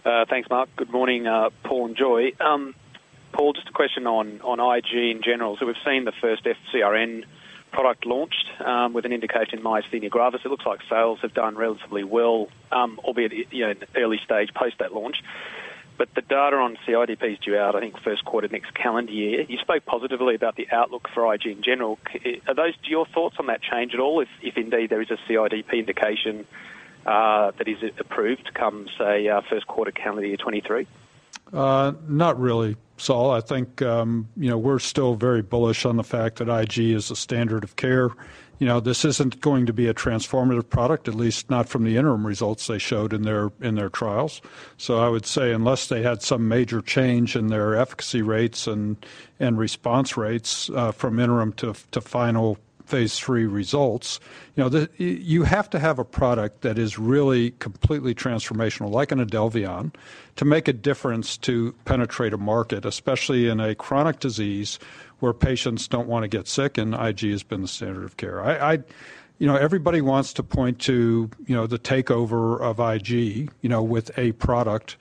Thanks, Mark. Good morning, Paul and Joy. Paul, just a question on IG in general. We've seen the first FcRn product launched with an indication myasthenia gravis. It looks like sales have done relatively well, albeit you know in early stage post that launch. The data on CIDP is due out, I think, first quarter of next calendar year. You spoke positively about the outlook for IG in general. Do your thoughts on that change at all if indeed there is a CIDP indication that is approved come say first quarter calendar year 2023? Not really, Saul. I think, you know, we're still very bullish on the fact that IG is a standard of care. You know, this isn't going to be a transformative product, at least not from the interim results they showed in their trials. I would say unless they had some major change in their efficacy rates and response rates, from interim to final phase III results, you know, you have to have a product that is really completely transformational, like an IDELVION, to make a difference to penetrate a market, especially in a chronic disease where patients don't wanna get sick and IG has been the standard of care. You know, everybody wants to point to, you know, the takeover of IG, you know, with a product.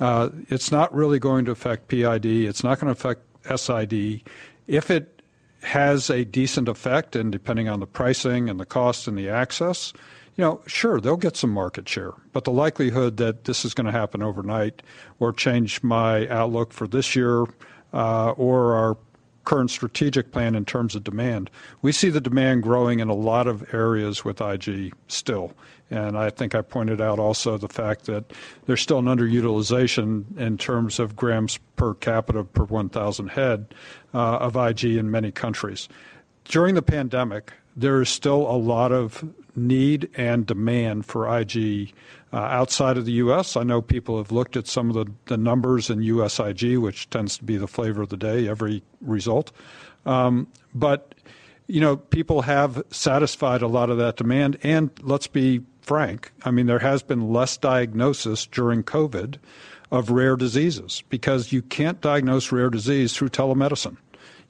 It's not really going to affect PID. It's not gonna affect SID. If it has a decent effect, and depending on the pricing and the cost and the access, you know, sure, they'll get some market share, but the likelihood that this is gonna happen overnight or change my outlook for this year, or our current strategic plan in terms of demand, we see the demand growing in a lot of areas with IG still. I think I pointed out also the fact that there's still an underutilization in terms of grams per capita per 1,000 head of IG in many countries. During the pandemic, there is still a lot of need and demand for IG outside of the U.S.. I know people have looked at some of the numbers in U.S. IG, which tends to be the flavor of the day, every result. You know, people have satisfied a lot of that demand. Let's be frank, I mean, there has been less diagnosis during COVID of rare diseases because you can't diagnose rare disease through telemedicine.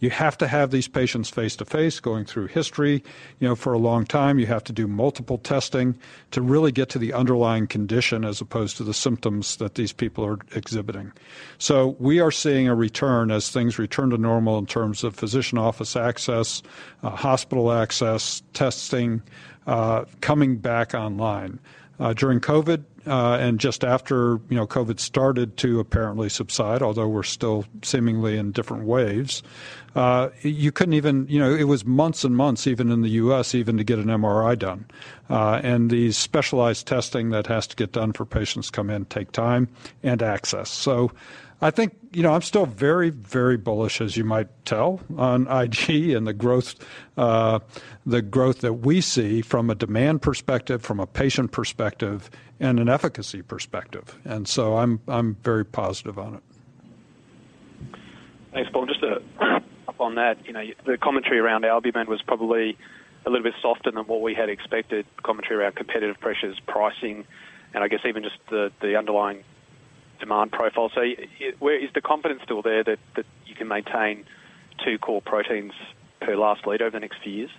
You have to have these patients face to face going through history, you know, for a long time. You have to do multiple testing to really get to the underlying condition as opposed to the symptoms that these people are exhibiting. We are seeing a return as things return to normal in terms of physician office access, hospital access, testing, coming back online. During COVID and just after, you know, COVID started to apparently subside, although we're still seemingly in different waves, you couldn't. You know, it was months and months even in the U.S. even to get an MRI done. The specialized testing that has to get done for patients coming in takes time and access. I think, you know, I'm still very, very bullish, as you might tell, on IG and the growth that we see from a demand perspective, from a patient perspective, and an efficacy perspective. I'm very positive on it. Thanks, Paul. Just to follow up on that, you know, the commentary around albumin was probably a little bit softer than what we had expected, commentary around competitive pressures, pricing, and I guess even just the underlying demand profile. Where is the confidence still there that you can maintain two core proteins per last year over the next few years?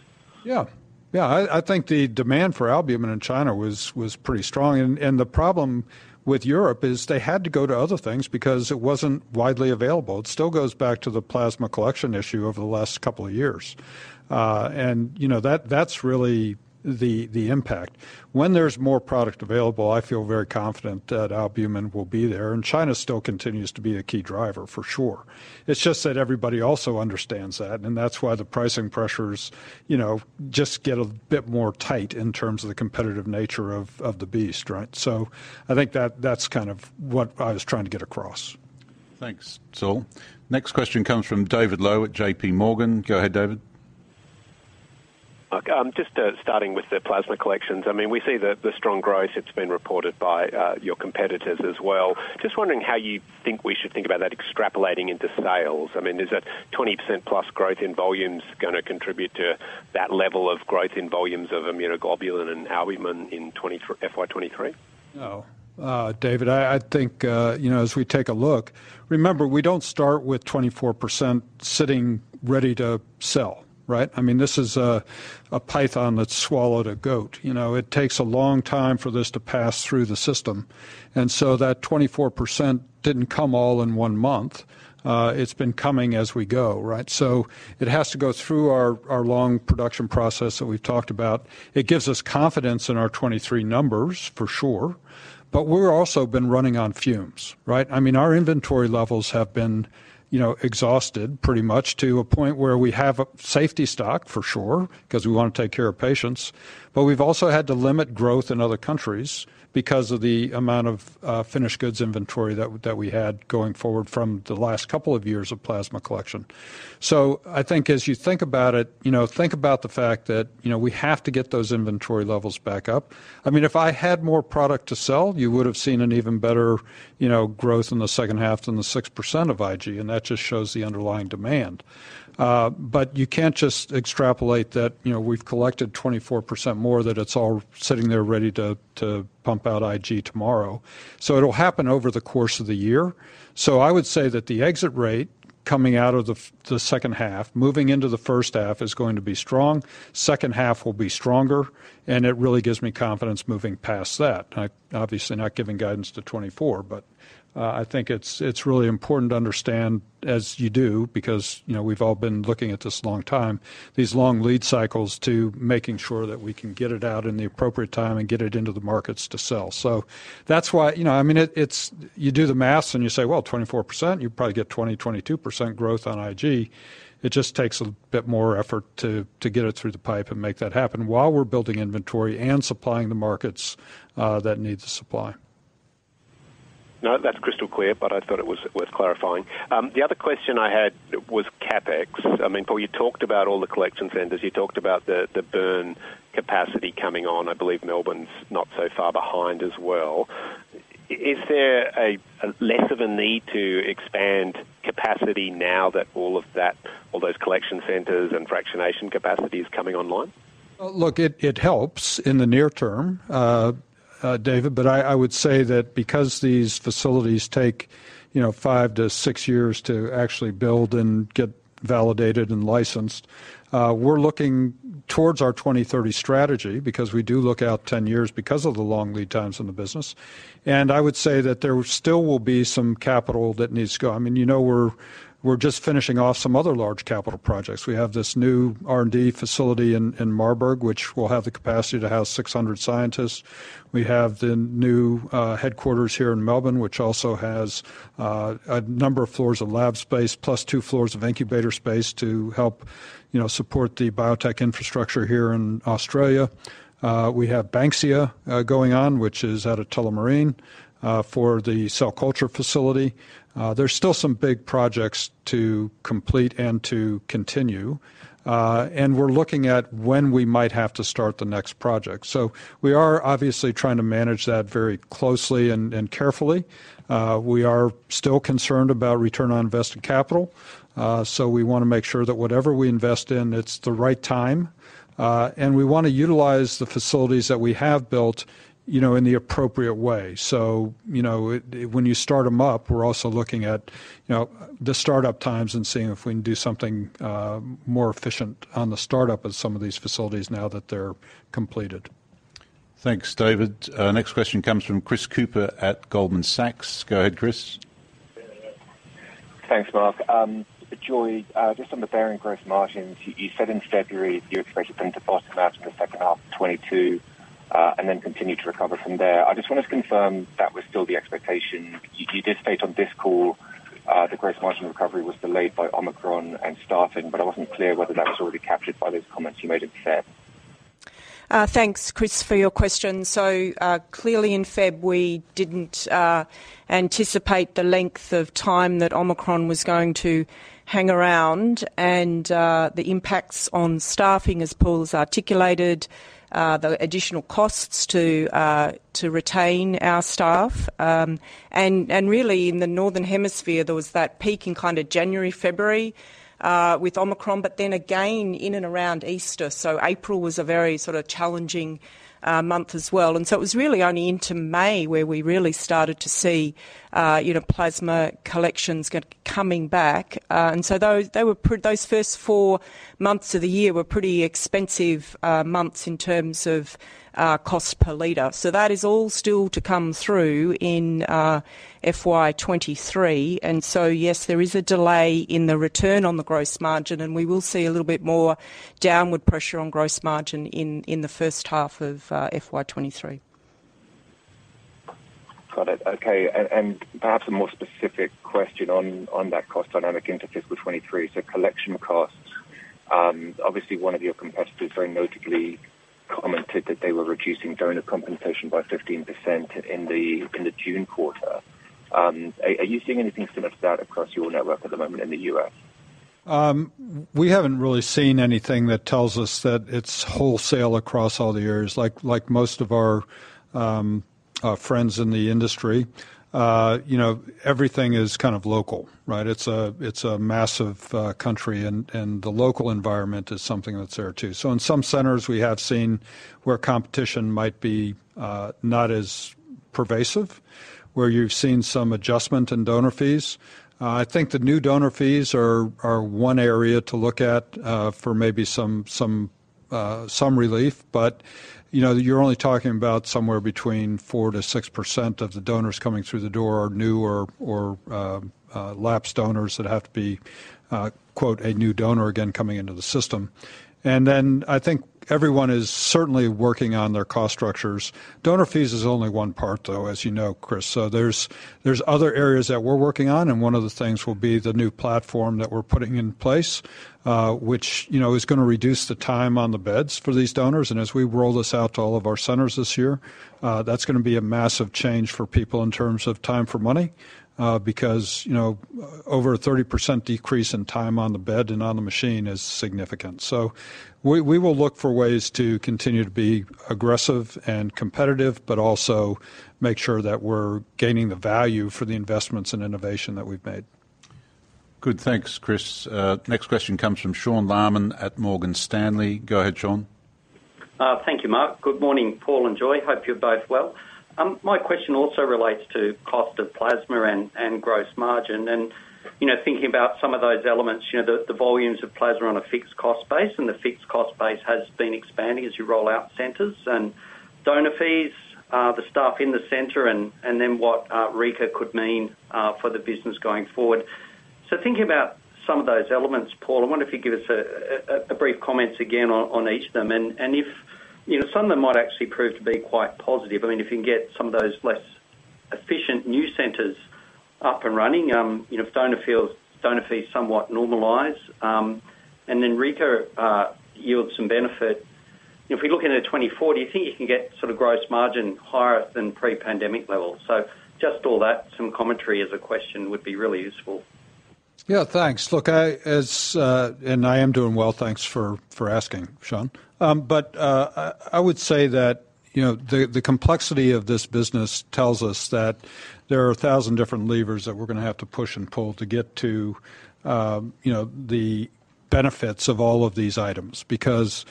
Yeah. Yeah, I think the demand for albumin in China was pretty strong. The problem with Europe is they had to go to other things because it wasn't widely available. It still goes back to the plasma collection issue over the last couple of years. You know, that's really the impact. When there's more product available, I feel very confident that albumin will be there, and China still continues to be a key driver for sure. It's just that everybody also understands that, and that's why the pricing pressures, you know, just get a bit more tight in terms of the competitive nature of the beast, right? I think that's kind of what I was trying to get across. Thanks, Saul. Next question comes from David Low at JPMorgan. Go ahead, David. Look, just starting with the plasma collections. I mean, we see the strong growth. It's been reported by your competitors as well. Just wondering how you think we should think about that extrapolating into sales. I mean, is that 20%+ growth in volumes gonna contribute to that level of growth in volumes of immunoglobulin and albumin in 2023, FY 2023? David, I think, you know, as we take a look. Remember, we don't start with 24% sitting ready to sell, right? I mean, this is a python that swallowed a goat. You know, it takes a long time for this to pass through the system. That 24% didn't come all in one month. It's been coming as we go, right? It has to go through our long production process that we've talked about. It gives us confidence in our 23 numbers for sure, but we're also been running on fumes, right? I mean, our inventory levels have been, you know, exhausted pretty much to a point where we have a safety stock for sure, 'cause we wanna take care of patients. We've also had to limit growth in other countries because of the amount of finished goods inventory that we had going forward from the last couple of years of plasma collection. I think as you think about it, you know, think about the fact that, you know, we have to get those inventory levels back up. I mean, if I had more product to sell, you would've seen an even better, you know, growth in the second half than the 6% of IG, and that just shows the underlying demand. You can't just extrapolate that, you know, we've collected 24% more, that it's all sitting there ready to pump out IG tomorrow. It'll happen over the course of the year. I would say that the exit rate coming out of the second half, moving into the first half is going to be strong, second half will be stronger, and it really gives me confidence moving past that. Obviously not giving guidance to 2024, but I think it's really important to understand as you do because, you know, we've all been looking at this a long time, these long lead cycles to making sure that we can get it out in the appropriate time and get it into the markets to sell. That's why. You know, I mean it's. You do the math and you say, "Well, 24%, you'll probably get 20-22% growth on IG." It just takes a bit more effort to get it through the pipe and make that happen while we're building inventory and supplying the markets that need the supply. No, that's crystal clear, but I thought it was worth clarifying. The other question I had was CapEx. I mean, Paul, you talked about all the collection centers. You talked about the Bern capacity coming on. I believe Melbourne's not so far behind as well. Is there less of a need to expand capacity now that all of that, all those collection centers and fractionation capacity is coming online? Look, it helps in the near term, David, but I would say that because these facilities take, you know, 5-6 years to actually build and get validated and licensed, we're looking towards our 2030 strategy because we do look out 10 years because of the long lead times in the business. I would say that there still will be some capital that needs to go. I mean, you know, we're just finishing off some other large capital projects. We have this new R&D facility in Marburg, which will have the capacity to house 600 scientists. We have the new headquarters here in Melbourne, which also has a number of floors of lab space, plus 2 floors of incubator space to help, you know, support the biotech infrastructure here in Australia. We have Banksia going on, which is out of Tullamarine for the cell culture facility. There's still some big projects to complete and to continue, and we're looking at when we might have to start the next project. We are obviously trying to manage that very closely and carefully. We are still concerned about return on invested capital, so we wanna make sure that whatever we invest in, it's the right time. We wanna utilize the facilities that we have built, you know, in the appropriate way. When you start them up, we're also looking at, you know, the startup times and seeing if we can do something more efficient on the startup of some of these facilities now that they're completed. Thanks, David. Next question comes from Chris Cooper at Goldman Sachs. Go ahead, Chris. Thanks, Mark. Joy, just on the Behring gross margins, you said in February you expected them to bottom out in the second half of 2022, and then continue to recover from there. I just want to confirm that was still the expectation. You did state on this call, the gross margin recovery was delayed by Omicron and staffing, but I wasn't clear whether *audio distortion* Thanks, Chris, for your question. Clearly in Feb we didn't anticipate the length of time that Omicron was going to hang around and the impacts on staffing, as Paul's articulated, the additional costs to retain our staff. Really in the northern hemisphere, there was that peak in kind of January, February with Omicron, but then again in and around Easter. April was a very sort of challenging month as well. It was really only into May where we really started to see, you know, plasma collections coming back. Those first four months of the year were pretty expensive months in terms of cost per liter. That is all still to come through in FY 2023. Yes, there is a delay in the return on the gross margin, and we will see a little bit more downward pressure on gross margin in the first half of FY 2023. Got it. Okay. Perhaps a more specific question on that cost dynamic into fiscal 2023. Collection costs, obviously one of your competitors very notably commented that they were reducing donor compensation by 15% in the June quarter. Are you seeing anything similar to that across your network at the moment in the U.S.? We haven't really seen anything that tells us that it's wholesale across all the areas. Like most of our friends in the industry, you know, everything is kind of local, right? It's a massive country and the local environment is something that's there too. In some centers we have seen where competition might be not as pervasive, where you've seen some adjustment in donor fees. I think the new donor fees are one area to look at for maybe some relief. You know, you're only talking about somewhere between 4%-6% of the donors coming through the door are new or lapsed donors that have to be quote, "a new donor again coming into the system." I think everyone is certainly working on their cost structures. Donor fees is only one part though, as you know, Chris. There's other areas that we're working on, and one of the things will be the new platform that we're putting in place, which, you know, is gonna reduce the time on the beds for these donors. As we roll this out to all of our centers this year, that's gonna be a massive change for people in terms of time for money, because, you know, over a 30% decrease in time on the bed and on the machine is significant. We will look for ways to continue to be aggressive and competitive, but also make sure that we're gaining the value for the investments and innovation that we've made. Good. Thanks, Chris. Next question comes from Sean Laaman at Morgan Stanley. Go ahead, Sean. Thank you, Mark. Good morning, Paul and Joy. Hope you're both well. My question also relates to cost of plasma and gross margin. You know, thinking about some of those elements, you know, the volumes of plasma on a fixed cost base, and the fixed cost base has been expanding as you roll out centers and donor fees, the staff in the center and then what Rika could mean for the business going forward. Thinking about some of those elements, Paul, I wonder if you give us a brief comments again on each of them. If you know, some of them might actually prove to be quite positive. I mean, if you can get some of those less efficient new centers up and running, you know, if donor fees somewhat normalize, and then Rika yields some benefit. If we look into 2024, do you think you can get sort of gross margin higher than pre-pandemic levels? Just all that, some commentary as a question would be really useful. Yeah, thanks. Look, I am doing well. Thanks for asking, Sean. I would say that, you know, the complexity of this business tells us that there are 1,000 different levers that we're gonna have to push and pull to get to, you know, the benefits of all of these items. Because,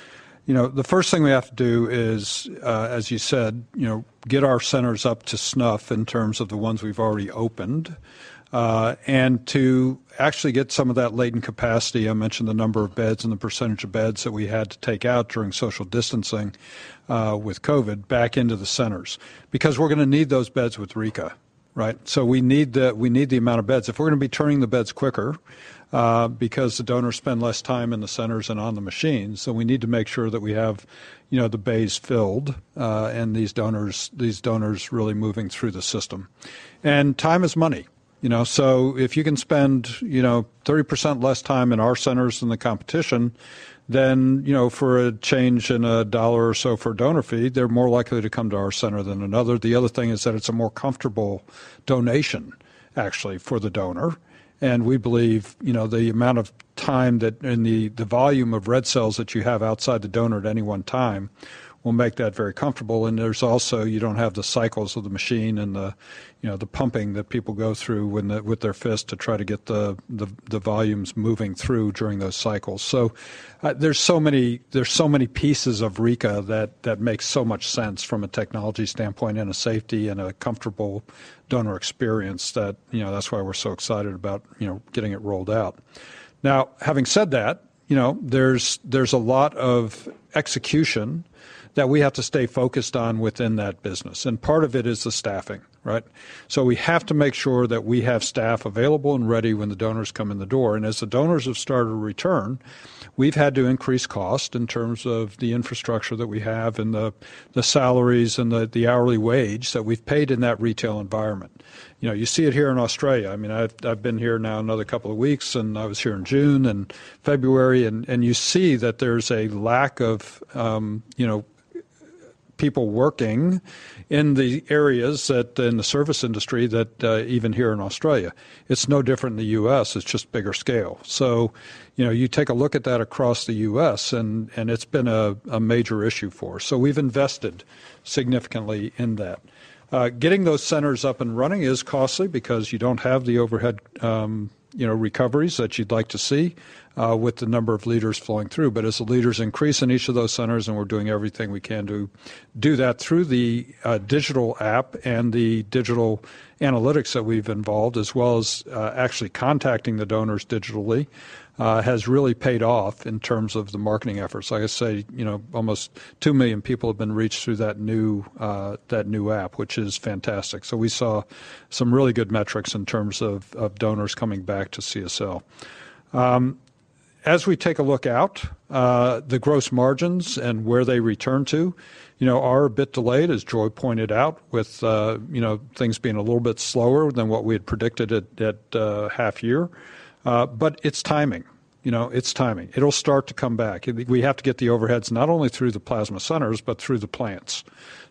you know, the first thing we have to do is, as you said, you know, get our centers up to snuff in terms of the ones we've already opened, and to actually get some of that latent capacity. I mentioned the number of beds and the percentage of beds that we had to take out during social distancing with COVID back into the centers, because we're gonna need those beds with Rika, right? So we need the amount of beds. If we're gonna be turning the beds quicker, because the donors spend less time in the centers and on the machines, we need to make sure that we have, you know, the bays filled, and these donors really moving through the system. Time is money, you know. If you can spend, you know, 30% less time in our centers than the competition, then, you know, for a change in a dollar or so for donor fee, they're more likely to come to our center than another. The other thing is that it's a more comfortable donation actually for the donor, and we believe, you know, the amount of time and the volume of red cells that you have outside the donor at any one time will make that very comfortable. There's also, you don't have the cycles of the machine and the, you know, the pumping that people go through with their fist to try to get the volumes moving through during those cycles. There's so many pieces of Rika that makes so much sense from a technology standpoint and a safety and a comfortable donor experience that, you know, that's why we're so excited about, you know, getting it rolled out. Now, having said that, you know, there's a lot of execution that we have to stay focused on within that business, and part of it is the staffing, right? We have to make sure that we have staff available and ready when the donors come in the door. As the donors have started to return, we've had to increase cost in terms of the infrastructure that we have and the salaries and the hourly wage that we've paid in that retail environment. You know, you see it here in Australia. I mean, I've been here now another couple of weeks and I was here in June and February, and you see that there's a lack of, you know, people working in the areas that in the service industry that even here in Australia. It's no different in the U.S., it's just bigger scale. You know, you take a look at that across the U.S. and it's been a major issue for us. We've invested significantly in that. Getting those centers up and running is costly because you don't have the overhead, you know, recoveries that you'd like to see, with the number of liters flowing through. But as the liters increase in each of those centers and we're doing everything we can to do that through the digital app and the digital analytics that we've involved, as well as actually contacting the donors digitally, has really paid off in terms of the marketing efforts. Like I say, you know, almost 2 million people have been reached through that new app, which is fantastic. We saw some really good metrics in terms of donors coming back to CSL. As we take a look out, the gross margins and where they return to, you know, are a bit delayed, as Joy pointed out, with, you know, things being a little bit slower than what we had predicted at half year. It's timing. You know, it's timing. It'll start to come back. We have to get the overheads not only through the plasma centers but through the plants.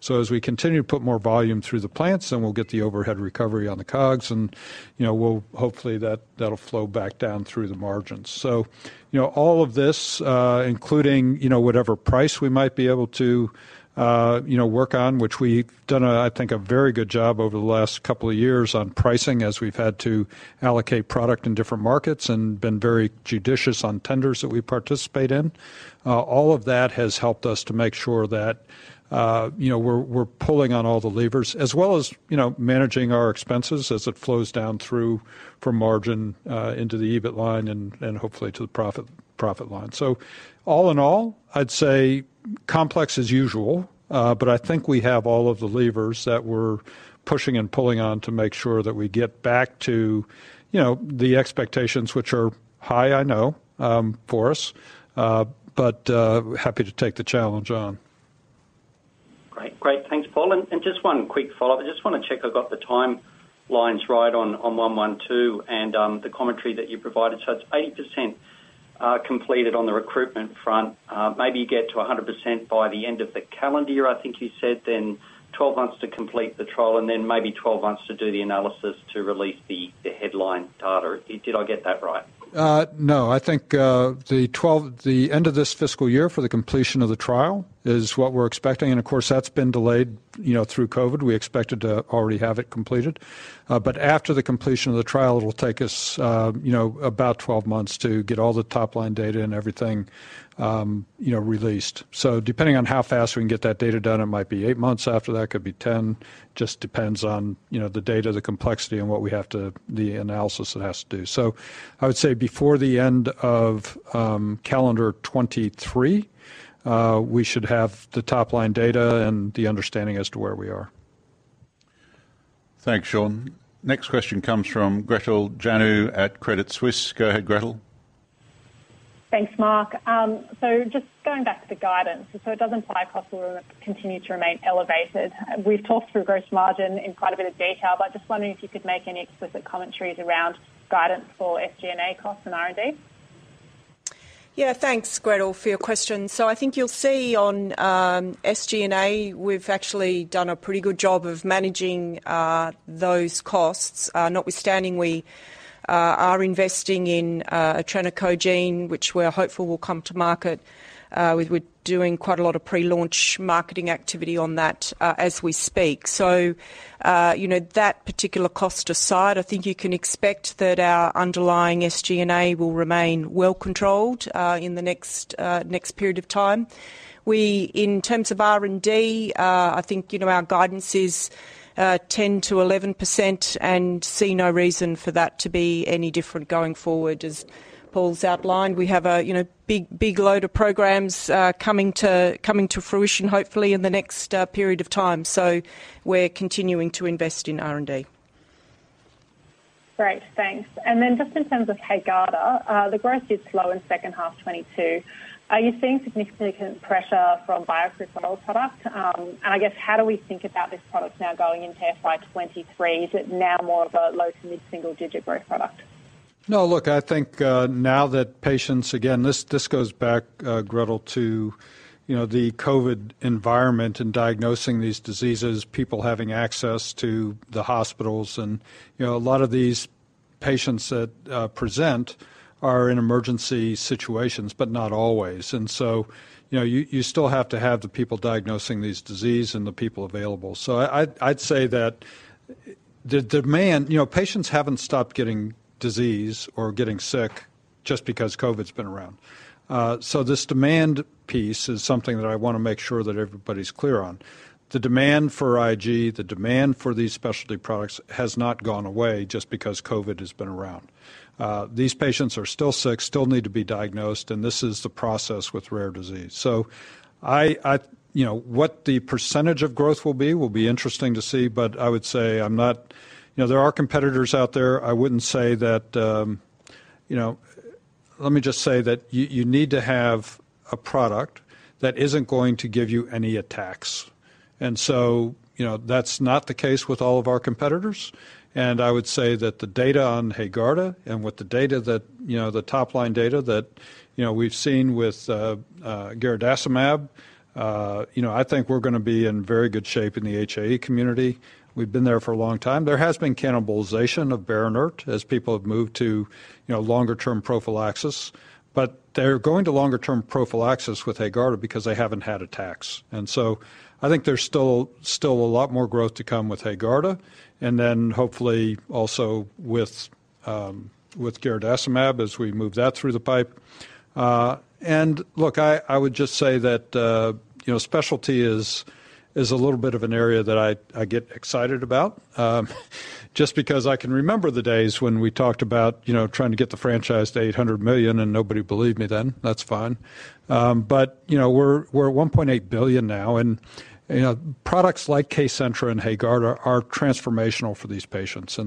As we continue to put more volume through the plants, then we'll get the overhead recovery on the COGS and, you know, we'll hopefully that'll flow back down through the margins. You know, all of this, including, you know, whatever price we might be able to, you know, work on, which we've done, I think, a very good job over the last couple of years on pricing as we've had to allocate product in different markets and been very judicious on tenders that we participate in. All of that has helped us to make sure that, you know, we're pulling on all the levers as well as, you know, managing our expenses as it flows down through from margin into the EBIT line and hopefully to the profit line. All in all, I'd say complex as usual, but I think we have all of the levers that we're pushing and pulling on to make sure that we get back to, you know, the expectations which are high, I know, for us. Happy to take the challenge on. Great. Thanks, Paul. Just one quick follow-up. I just wanna check I've got the timelines right on 112 and the commentary that you provided. It's 80% completed on the recruitment front. Maybe you get to 100% by the end of the calendar year, I think you said, then 12 months to complete the trial and then maybe 12 months to do the analysis to release the headline data. Did I get that right? No. I think the end of this fiscal year for the completion of the trial is what we're expecting. Of course, that's been delayed, you know, through COVID. We expected to already have it completed. But after the completion of the trial, it'll take us, you know, about 12 months to get all the top-line data and everything released. Depending on how fast we can get that data done, it might be eight months after that, it could be 10. Just depends on, you know, the data, the complexity, and the analysis it has to do. I would say before the end of calendar 2023, we should have the top-line data and the understanding as to where we are. Thanks, Sean. Next question comes from Gretel Janu at Credit Suisse. Go ahead, Gretel. Thanks, Mark. Just going back to the guidance. It does imply costs will continue to remain elevated. We've talked through gross margin in quite a bit of detail, but just wondering if you could make any explicit commentaries around guidance for SG&A costs and R&D. Thanks, Gretel, for your question. I think you'll see on SG&A, we've actually done a pretty good job of managing those costs. Notwithstanding, we are investing in Etranacogene, which we're hopeful will come to market. We're doing quite a lot of pre-launch marketing activity on that as we speak. You know, that particular cost aside, I think you can expect that our underlying SG&A will remain well controlled in the next period of time. In terms of R&D, I think you know, our guidance is 10%-11% and see no reason for that to be any different going forward. As Paul's outlined, we have a big load of programs coming to fruition, hopefully in the next period of time. We're continuing to invest in R&D. Just in terms of HAEGARDA, the growth is slow in second half 2022. Are you seeing significant pressure from bulk product? I guess, how do we think about this product now going into FY 2023? Is it now more of a low- to mid-single-digit growth product? No, look, I think now that patients. Again, this goes back, Gretel, to you know, the COVID environment and diagnosing these diseases, people having access to the hospitals. You know, a lot of these patients that present are in emergency situations, but not always. You know, you still have to have the people diagnosing this disease and the people available. I'd say that the demand. You know, patients haven't stopped getting disease or getting sick just because COVID's been around. This demand piece is something that I wanna make sure that everybody's clear on. The demand for IG, the demand for these specialty products has not gone away just because COVID has been around. These patients are still sick, still need to be diagnosed, and this is the process with rare disease. I You know, what the percentage of growth will be interesting to see. I would say there are competitors out there. I wouldn't say that, you know. Let me just say that you need to have a product that isn't going to give you any attacks. You know, that's not the case with all of our competitors. I would say that the data on HAEGARDA and with the data that, you know, the top-line data that, you know, we've seen with garadacimab, you know, I think we're gonna be in very good shape in the HAE community. We've been there for a long time. There has been cannibalization of BERINERT as people have moved to, you know, longer-term prophylaxis. They're going to longer-term prophylaxis with HAEGARDA because they haven't had attacks. I think there's still a lot more growth to come with HAEGARDA, and then hopefully also with garadacimab as we move that through the pipe. Look, I would just say that specialty is a little bit of an area that I get excited about, just because I can remember the days when we talked about trying to get the franchise to $800 million, and nobody believed me then. That's fine. I think we're at $1.8 billion now. Products like Kcentra and HAEGARDA are transformational for these patients.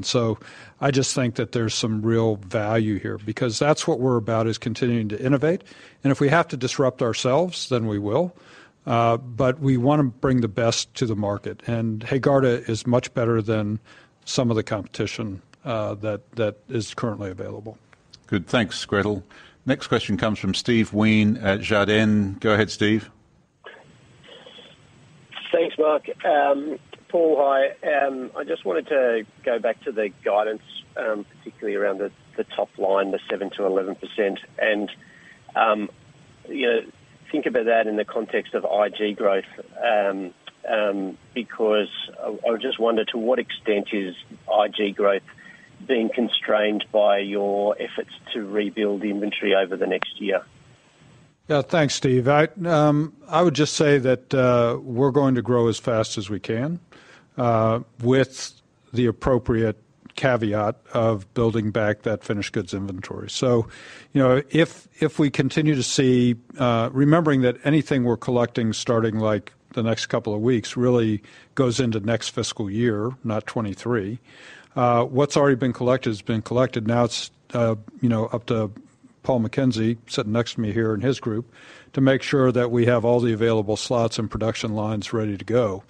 I just think that there's some real value here because that's what we're about, is continuing to innovate. If we have to disrupt ourselves, then we will. We wanna bring the best to the market, and HAEGARDA is much better than some of the competition, that is currently available. Good. Thanks, Gretel. Next question comes from Steve Wheen at Jarden. Go ahead, Steve. Thanks, Mark. Paul, hi. I just wanted to go back to the guidance, particularly around the top line, the 7%-11%, and you know, think about that in the context of IG growth, because I just wonder to what extent is IG growth being constrained by your efforts to rebuild inventory over the next year? Yeah. Thanks, Steve. I would just say that we're going to grow as fast as we can with the appropriate caveat of building back that finished goods inventory. You know, if we continue to see, remembering that anything we're collecting starting like the next couple of weeks really goes into next fiscal year, not 2023. What's already been collected has been collected. Now it's you know, up to Paul McKenzie sitting next to me here and his group to make sure that we have all the available slots and production lines ready to go.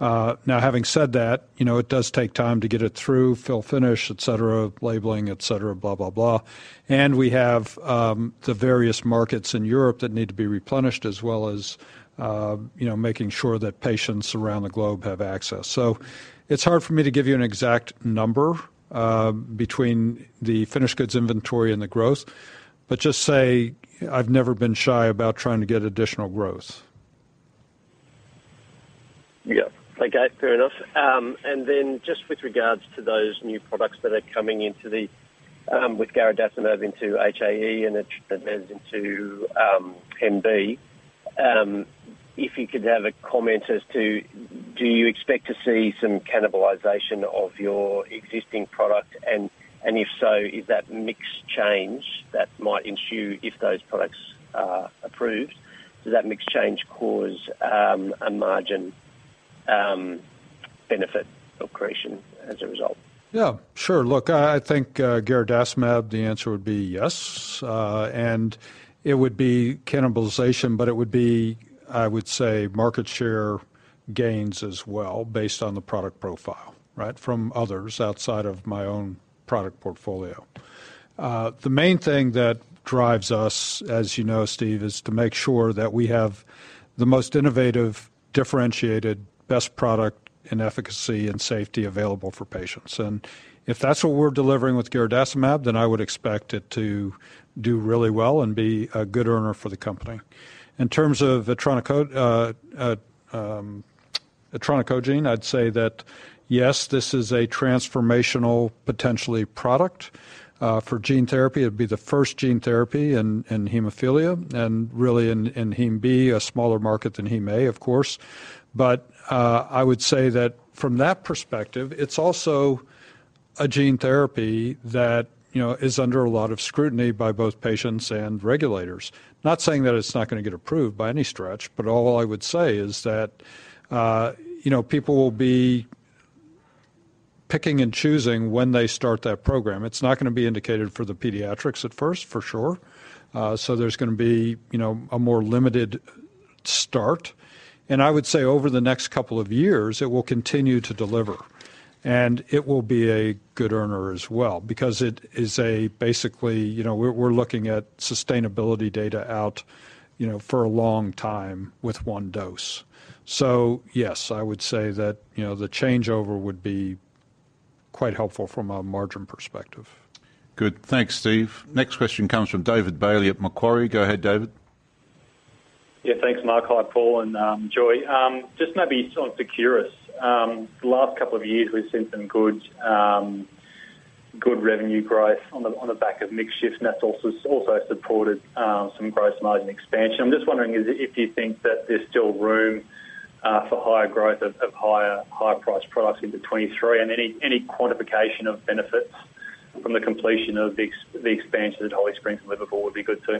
Now having said that, you know, it does take time to get it through, fill finish, et cetera, labeling, et cetera, blah, blah. We have the various markets in Europe that need to be replenished as well as you know making sure that patients around the globe have access. It's hard for me to give you an exact number between the finished goods inventory and the growth, but just say I've never been shy about trying to get additional growth. Yeah. Okay. Fair enough. With regards to those new products that are coming in with garadacimab into HAE and Etranacogene into HemB, if you could have a comment as to do you expect to see some cannibalization of your existing product? If so, is that mix change that might ensue if those products are approved? Does that mix change cause a margin benefit or accretion as a result? Yeah, sure. Look, I think garadacimab, the answer would be yes. It would be cannibalization, but it would be, I would say, market share gains as well based on the product profile, right? From others outside of my own product portfolio. The main thing that drives us, as you know, Steve, is to make sure that we have the most innovative, differentiated, best product and efficacy and safety available for patients. If that's what we're delivering with garadacimab, then I would expect it to do really well and be a good earner for the company. In terms of Etranacogene, I'd say that, yes, this is a potentially transformational product for gene therapy. It'd be the first gene therapy in hemophilia and really in HemB, a smaller market than Hemophilia A, of course. I would say that from that perspective, it's also a gene therapy that, you know, is under a lot of scrutiny by both patients and regulators. Not saying that it's not going to get approved by any stretch, but all I would say is that, you know, people will be picking and choosing when they start that program. It's not going to be indicated for the pediatrics at first, for sure. So there's going to be, you know, a more limited start. I would say over the next couple of years, it will continue to deliver, and it will be a good earner as well because it is basically, you know, we're looking at sustainability data out, you know, for a long time with one dose. Yes, I would say that, you know, the changeover would be quite helpful from a margin perspective. Good. Thanks, Steve. Next question comes from David Bailey at Macquarie. Go ahead, David. Yeah, thanks, Mark. Hi, Paul and Joy. Just maybe on Seqirus. The last couple of years, we've seen some good revenue growth on the back of mix shift, and that's also supported some gross margin expansion. I'm just wondering if you think that there's still room for higher growth of higher-priced products into 2023 and any quantification of benefits from the completion of the expansion at Holly Springs and Liverpool would be good too.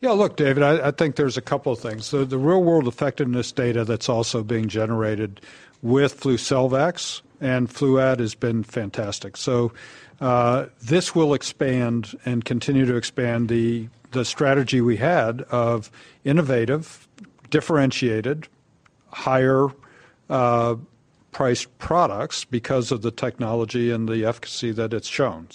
Yeah, look, David, I think there's a couple of things. The real-world effectiveness data that's also being generated with Flucelvax and Fluad has been fantastic. This will expand and continue to expand the strategy we had of innovative, differentiated, higher priced products because of the technology and the efficacy that it's shown.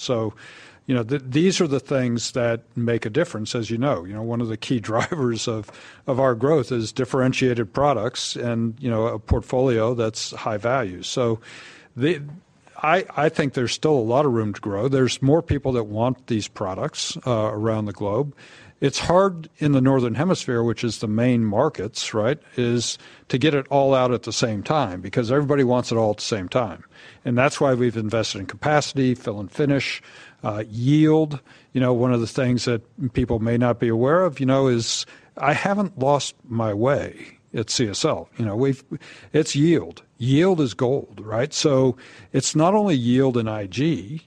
You know, these are the things that make a difference, as you know. You know, one of the key drivers of our growth is differentiated products and, you know, a portfolio that's high value. I think there's still a lot of room to grow. There's more people that want these products around the globe. It's hard in the northern hemisphere, which is the main markets, right, is to get it all out at the same time because everybody wants it all at the same time. That's why we've invested in capacity, fill and finish, yield. You know, one of the things that people may not be aware of, you know, is I haven't lost my way at CSL. You know, it's yield. Yield is gold, right? So it's not only yield in IG,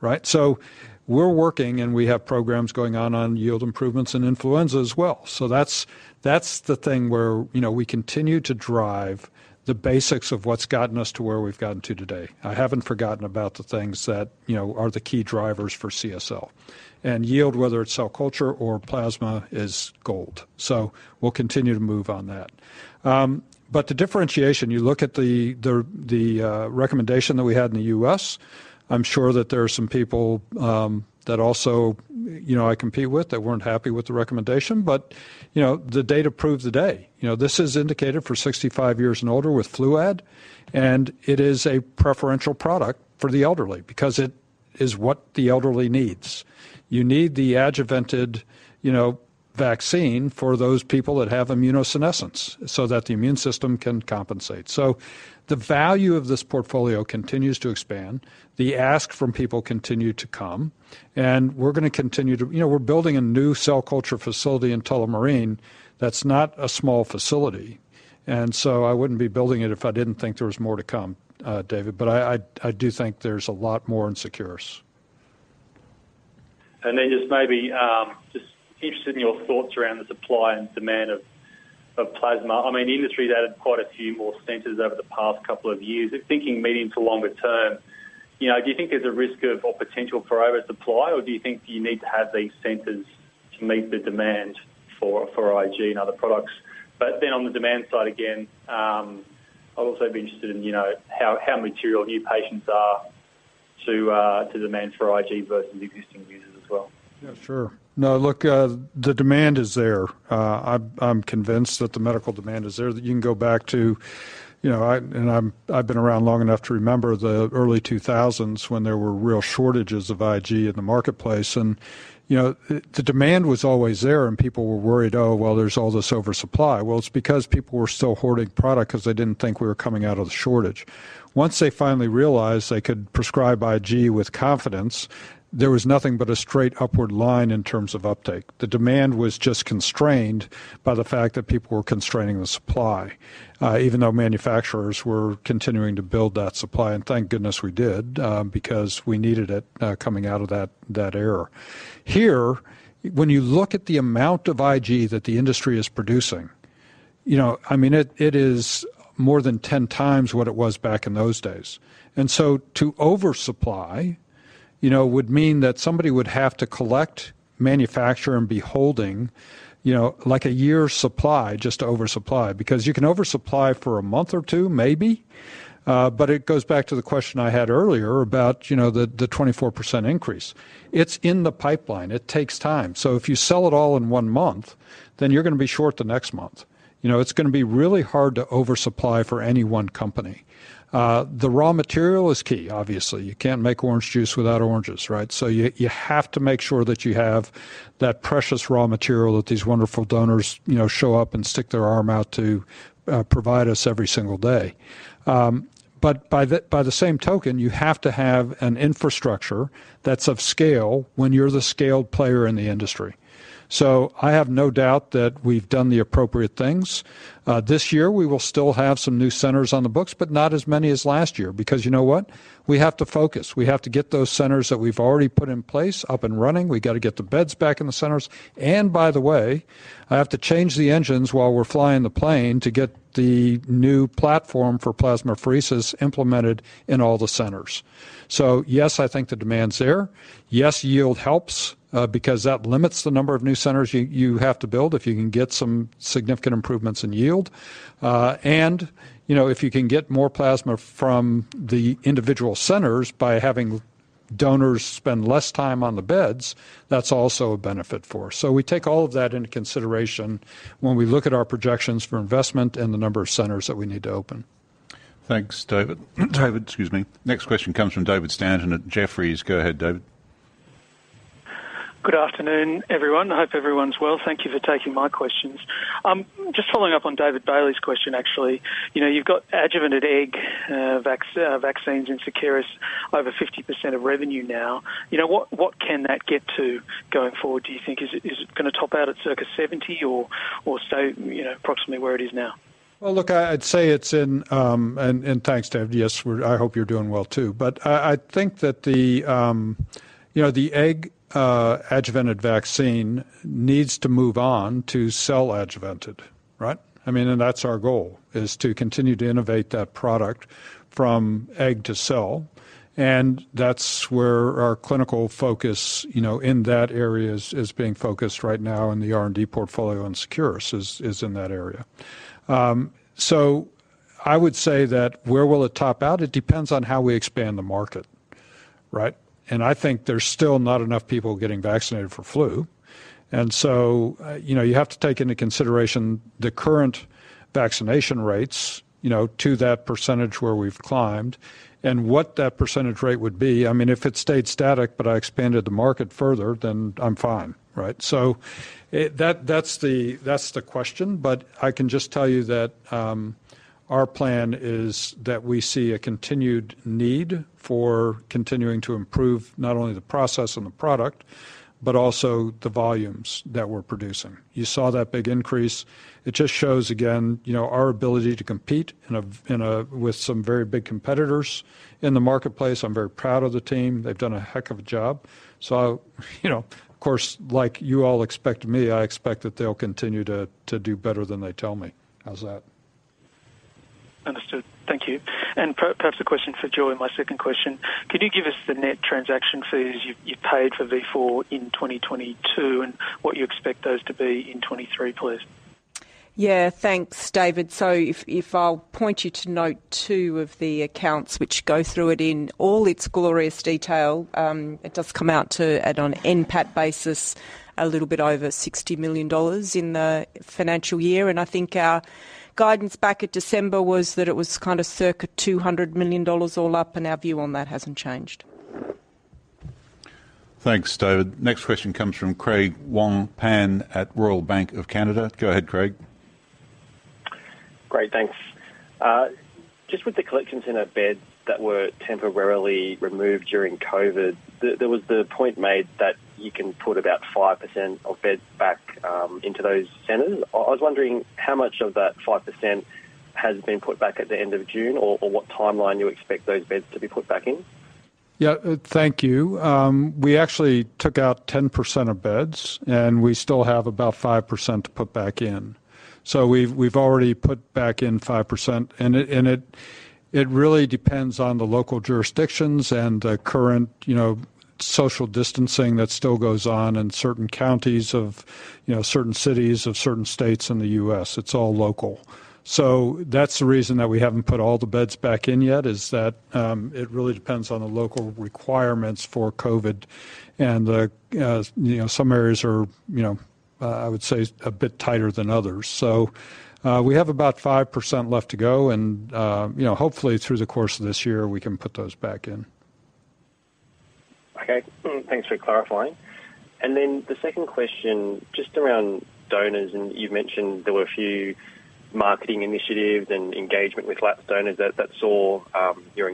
right? So we're working, and we have programs going on yield improvements in influenza as well. So that's the thing where, you know, we continue to drive the basics of what's gotten us to where we've gotten to today. I haven't forgotten about the things that, you know, are the key drivers for CSL. Yield, whether it's cell culture or plasma, is gold. So we'll continue to move on that. The differentiation, you look at the recommendation that we had in the U.S.. I'm sure that there are some people that also, you know, I compete with that weren't happy with the recommendation. You know, the data proves the way. You know, this is indicated for 65 years and older with FLUAD, and it is a preferential product for the elderly because it is what the elderly needs. You need the adjuvanted, you know, vaccine for those people that have immunosenescence so that the immune system can compensate. The value of this portfolio continues to expand. The ask from people continue to come, you know, we're building a new cell culture facility in Tullamarine that's not a small facility. I wouldn't be building it if I didn't think there was more to come, David. I do think there's a lot more in Seqirus. Just maybe just interested in your thoughts around the supply and demand of plasma. I mean, the industry's added quite a few more centers over the past couple of years. Just thinking medium to longer term, you know, do you think there's a risk of or potential for oversupply, or do you think you need to have these centers to meet the demand for IG and other products? But then on the demand side, again, I'd also be interested in, you know, how material new patients are to demand for IG versus existing users as well. Yeah, sure. No, look, the demand is there. I'm convinced that the medical demand is there. That you can go back to, you know, I've been around long enough to remember the early 2000s when there were real shortages of IG in the marketplace. You know, the demand was always there, and people were worried, "Oh, well, there's all this oversupply." Well, it's because people were still hoarding product because they didn't think we were coming out of the shortage. Once they finally realized they could prescribe IG with confidence, there was nothing but a straight upward line in terms of uptake. The demand was just constrained by the fact that people were constraining the supply, even though manufacturers were continuing to build that supply. Thank goodness we did, because we needed it, coming out of that era. Here, when you look at the amount of IG that the industry is producing, you know, I mean, it is more than 10 times what it was back in those days. To oversupply, you know, would mean that somebody would have to collect, manufacture, and be holding, you know, like a year's supply just to oversupply. Because you can oversupply for a month or two, maybe, but it goes back to the question I had earlier about, you know, the 24% increase. It's in the pipeline. It takes time. If you sell it all in one month, then you're gonna be short the next month. You know, it's gonna be really hard to oversupply for any one company. The raw material is key, obviously. You can't make orange juice without oranges, right? You have to make sure that you have that precious raw material that these wonderful donors, you know, show up and stick their arm out to provide us every single day. By the same token, you have to have an infrastructure that's of scale when you're the scaled player in the industry. I have no doubt that we've done the appropriate things. This year we will still have some new centers on the books, but not as many as last year. Because you know what? We have to focus. We have to get those centers that we've already put in place up and running. We got to get the beds back in the centers. By the way, I have to change the engines while we're flying the plane to get the new platform for plasmapheresis implemented in all the centers. Yes, I think the demand's there. Yield helps because that limits the number of new centers you have to build if you can get some significant improvements in yield. You know, if you can get more plasma from the individual centers by having donors spend less time on the beds, that's also a benefit for us. We take all of that into consideration when we look at our projections for investment and the number of centers that we need to open. Thanks, David. Excuse me. Next question comes from David Stanton at Jefferies. Go ahead, David. Good afternoon, everyone. I hope everyone's well. Thank you for taking my questions. Just following up on David Bailey's question, actually. You know, you've got adjuvanted egg vaccines in Seqirus over 50% of revenue now. You know, what can that get to going forward, do you think? Is it gonna top out at circa 70% or stay, you know, approximately where it is now? Well, look, I'd say it's in. Thanks, David. Yes, I hope you're doing well too. I think that you know, the egg adjuvanted vaccine needs to move on to cell adjuvanted, right? I mean, that's our goal, is to continue to innovate that product from egg to cell, and that's where our clinical focus you know in that area is being focused right now in the R&D portfolio, and Seqirus is in that area. I would say that where will it top out? It depends on how we expand the market, right? I think there's still not enough people getting vaccinated for flu. You know, you have to take into consideration the current vaccination rates, you know, to that percentage where we've climbed and what that percentage rate would be. I mean, if it stayed static, but I expanded the market further, then I'm fine, right? That, that's the question, but I can just tell you that our plan is that we see a continued need for continuing to improve not only the process and the product, but also the volumes that we're producing. You saw that big increase. It just shows again, you know, our ability to compete with some very big competitors in the marketplace. I'm very proud of the team. They've done a heck of a job. You know, of course, like you all expect me, I expect that they'll continue to do better than they tell me. How's that? Understood. Thank you. Perhaps a question for Joy in my second question. Could you give us the net transaction fees you paid for Vifor in 2022 and what you expect those to be in 2023, please? Yeah. Thanks, David. If I'll point you to note two of the accounts which go through it in all its glorious detail, it does come out to at an NPAT basis a little bit over 60 million dollars in the financial year. I think our guidance back at December was that it was kind of circa 200 million dollars all up, and our view on that hasn't changed. Thanks, David. Next question comes from Craig Wong-Pan at Royal Bank of Canada. Go ahead, Craig. Great. Thanks. Just with the collections in our beds that were temporarily removed during COVID, there was the point made that you can put about 5% of beds back into those centers. I was wondering how much of that 5% has been put back at the end of June or what timeline you expect those beds to be put back in? Yeah, thank you. We actually took out 10% of beds, and we still have about 5% to put back in. We've already put back in 5%, and it really depends on the local jurisdictions and the current, you know, social distancing that still goes on in certain counties of, you know, certain cities of certain states in the U.S.. It's all local. That's the reason that we haven't put all the beds back in yet, is that it really depends on the local requirements for COVID. And the, you know, some areas are, you know, I would say a bit tighter than others. We have about 5% left to go and, you know, hopefully through the course of this year, we can put those back in. Okay. Thanks for clarifying. Then the second question, just around donors, and you've mentioned there were a few marketing initiatives and engagement with lapsed donors that saw your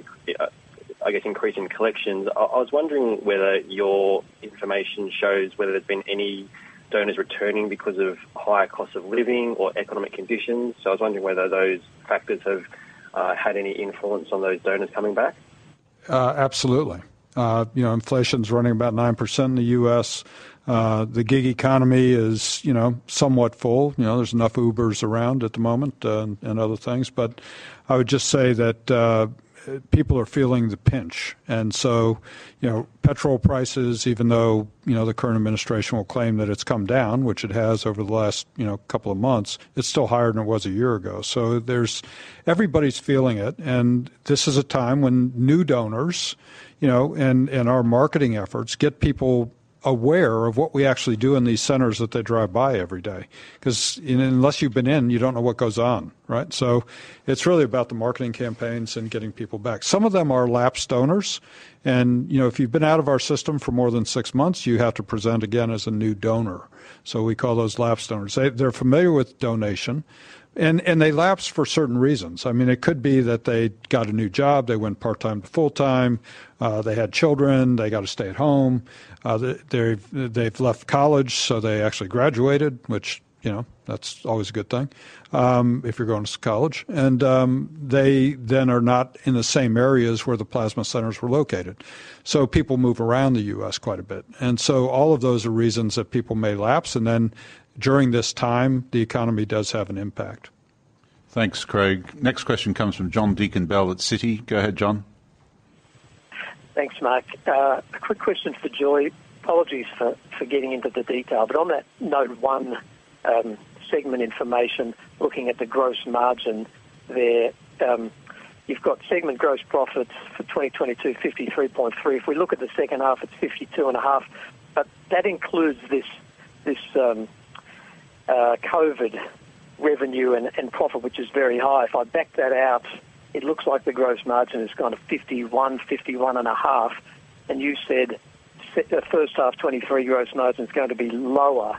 increase in collections. I was wondering whether your information shows whether there's been any donors returning because of higher cost of living or economic conditions. I was wondering whether those factors have had any influence on those donors coming back. Absolutely. You know, inflation's running about 9% in the U.S.. The gig economy is, you know, somewhat full. You know, there's enough Ubers around at the moment, and other things. I would just say that, people are feeling the pinch. You know, petrol prices, even though, you know, the current administration will claim that it's come down, which it has over the last, you know, couple of months, it's still higher than it was a year ago. Everybody's feeling it, and this is a time when new donors, you know, and our marketing efforts get people aware of what we actually do in these centers that they drive by every day. 'Cause unless you've been in, you don't know what goes on, right? It's really about the marketing campaigns and getting people back. Some of them are lapsed donors, and, you know, if you've been out of our system for more than six months, you have to present again as a new donor. So we call those lapsed donors. They're familiar with donation and they lapse for certain reasons. I mean, it could be that they got a new job, they went part-time to full-time, they had children, they got to stay at home, they've left college, so they actually graduated, which, you know, that's always a good thing, if you're going to college. They then are not in the same areas where the plasma centers were located. So people move around the U.S. quite a bit. All of those are reasons that people may lapse, and then during this time, the economy does have an impact. Thanks, Craig. Next question comes from John Deakin-Bell at Citigroup. Go ahead, John. Thanks, Mark. A quick question for Joy. Apologies for getting into the detail. On that note one segment information, looking at the gross margin there, you've got segment gross profits for 2022 53.3%. If we look at the second half, it's 52.5%. That includes this COVID revenue and profit, which is very high. If I back that out, it looks like the gross margin is kind of 51-51.5%. You said the first half 2023 gross margin is going to be lower.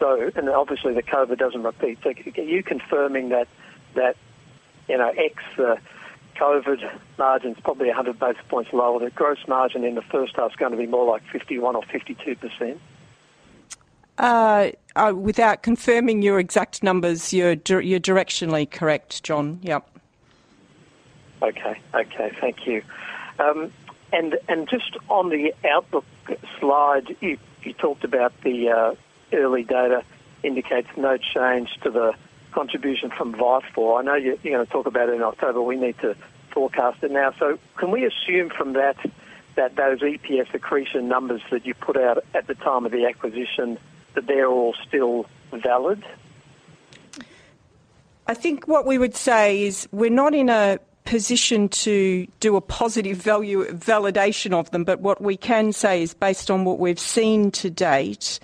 Obviously, the COVID doesn't repeat. Can you confirm that, you know, ex COVID margin's probably 100 basis points lower, the gross margin in the first half is gonna be more like 51 or 52%? Without confirming your exact numbers, you're directionally correct, John. Yep. Okay. Okay, thank you. Just on the outlook slide, you talked about the early data indicates no change to the contribution from Vifor. I know you're gonna talk about it in October. We need to forecast it now. Can we assume from that those EPS accretion numbers that you put out at the time of the acquisition, that they're all still valid? I think what we would say is we're not in a position to do a positive validation of them. What we can say is based on what we've seen to date,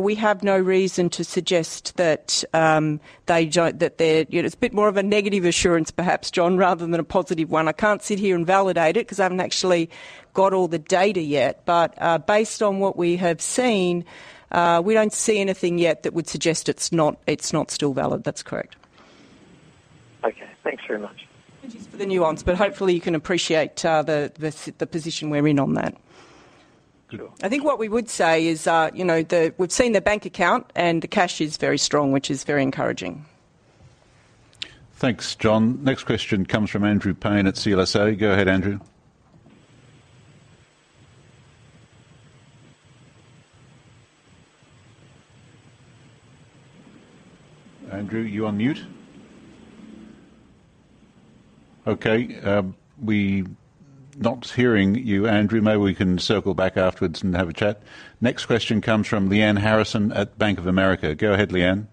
we have no reason to suggest that they're, you know, it's a bit more of a negative assurance perhaps, John, rather than a positive one. I can't sit here and validate it because I haven't actually got all the data yet. Based on what we have seen, we don't see anything yet that would suggest it's not still valid. That's correct. Okay, thanks very much. Apologies for the nuance, but hopefully you can appreciate the position we're in on that. Cool. I think what we would say is, you know, we've seen the bank account and the cash is very strong, which is very encouraging. Thanks, John. Next question comes from Andrew Paine at CLSA. Go ahead, Andrew. Andrew, you're on mute? Okay, we're not hearing you, Andrew. Maybe we can circle back afterwards and have a chat. Next question comes from Lyanne Harrison at Bank of America. Go ahead, Lyanne.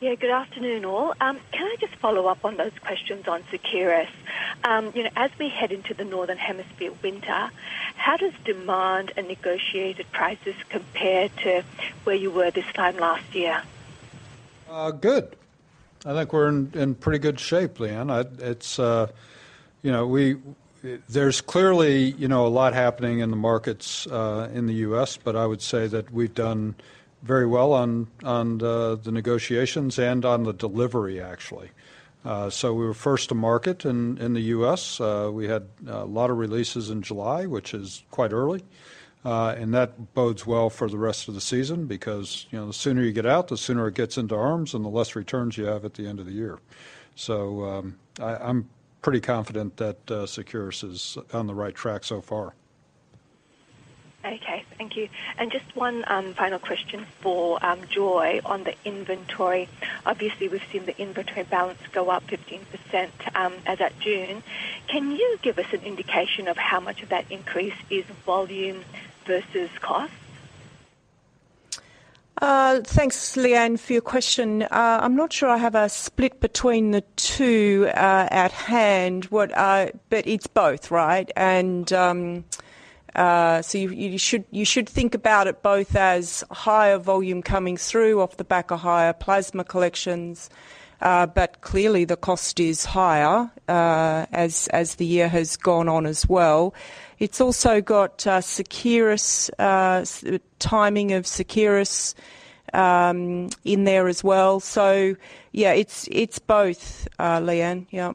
Yeah, good afternoon all. Can I just follow up on those questions on Seqirus? You know, as we head into the Northern Hemisphere winter, how does demand and negotiated prices compare to where you were this time last year? I think we're in pretty good shape, Lyanne. It's you know, we. There's clearly, you know, a lot happening in the markets in the U.S., but I would say that we've done very well on the negotiations and on the delivery actually. We were first to market in the U.S.. We had a lot of releases in July, which is quite early. That bodes well for the rest of the season because, you know, the sooner you get out, the sooner it gets into arms and the less returns you have at the end of the year. I'm pretty confident that Seqirus is on the right track so far. Okay. Thank you. Just one final question for Joy on the inventory. Obviously, we've seen the inventory balance go up 15% as at June. Can you give us an indication of how much of that increase is volume versus cost? Thanks, Lyanne, for your question. I'm not sure I have a split between the two at hand. It's both, right? You should think about it both as higher volume coming through off the back of higher plasma collections, but clearly the cost is higher, as the year has gone on as well. It's also got Seqirus timing of Seqirus in there as well. Yeah, it's both, Lyanne. Yeah.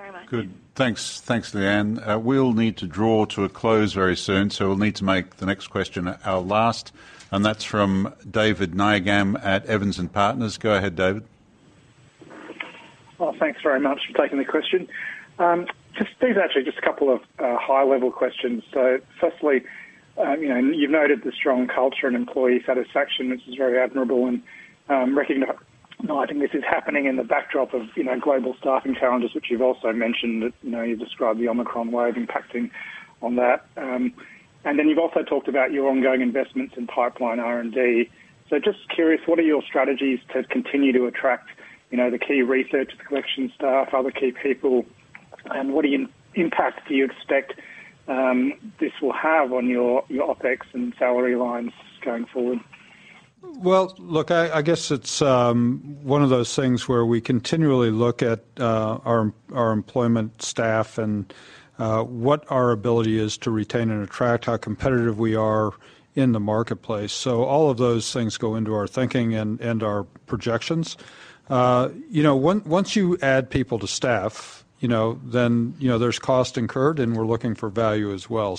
Okay. Thank you very much. Good. Thanks. Thanks, Lyanne. We'll need to draw to a close very soon, so we'll need to make the next question our last, and that's from David Nayagam at Evans & Partners. Go ahead, David. Well, thanks very much for taking the question. Just these are actually just a couple of high-level questions. Firstly, you know, you've noted the strong culture and employee satisfaction, which is very admirable, and recognize, you know, I think this is happening in the backdrop of, you know, global staffing challenges, which you've also mentioned that, you know, you described the Omicron wave impacting on that. And then you've also talked about your ongoing investments in pipeline R&D. Just curious, what are your strategies to continue to attract, you know, the key research, the collection staff, other key people? And what impact do you expect this will have on your OpEx and salary lines going forward? Well, look, I guess it's one of those things where we continually look at our employment staff and what our ability is to retain and attract, how competitive we are in the marketplace. All of those things go into our thinking and our projections. You know, once you add people to staff, you know, then, you know, there's cost incurred, and we're looking for value as well.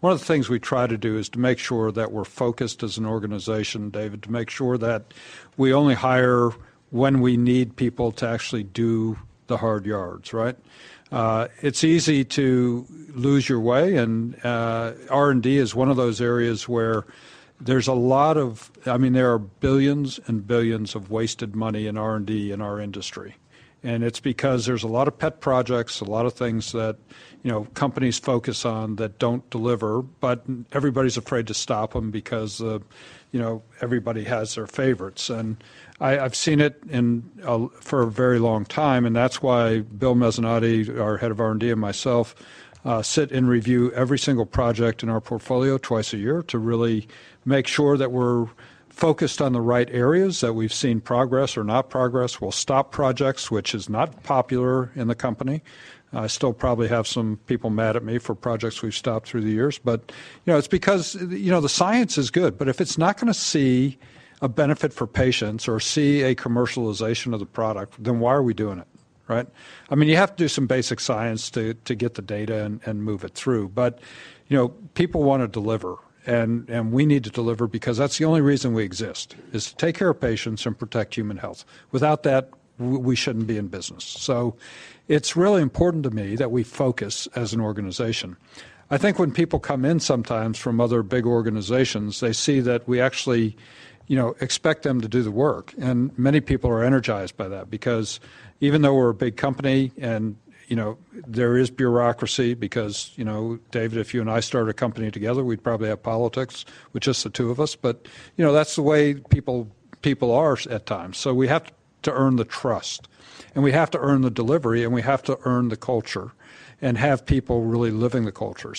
One of the things we try to do is to make sure that we're focused as an organization, David, to make sure that we only hire when we need people to actually do the hard yards, right? It's easy to lose your way, and R&D is one of those areas where there's a lot of, I mean, there are billions and billions of wasted money in R&D in our industry. It's because there's a lot of pet projects, a lot of things that, you know, companies focus on that don't deliver, but everybody's afraid to stop them because, you know, everybody has their favorites. I've seen it for a very long time, and that's why Bill Mezzanotte, our head of R&D, and myself sit and review every single project in our portfolio twice a year to really make sure that we're focused on the right areas, that we've seen progress or not progress. We'll stop projects, which is not popular in the company. I still probably have some people mad at me for projects we've stopped through the years. You know, it's because, you know, the science is good, but if it's not gonna see a benefit for patients or see a commercialization of the product, then why are we doing it, right? I mean, you have to do some basic science to get the data and move it through. You know, people wanna deliver and we need to deliver because that's the only reason we exist, is to take care of patients and protect human health. Without that, we shouldn't be in business. It's really important to me that we focus as an organization. I think when people come in sometimes from other big organizations, they see that we actually, you know, expect them to do the work. Many people are energized by that because even though we're a big company, and, you know, there is bureaucracy because, you know, David, if you and I started a company together, we'd probably have politics with just the two of us. You know, that's the way people are at times. We have to earn the trust, and we have to earn the delivery, and we have to earn the culture and have people really living the culture.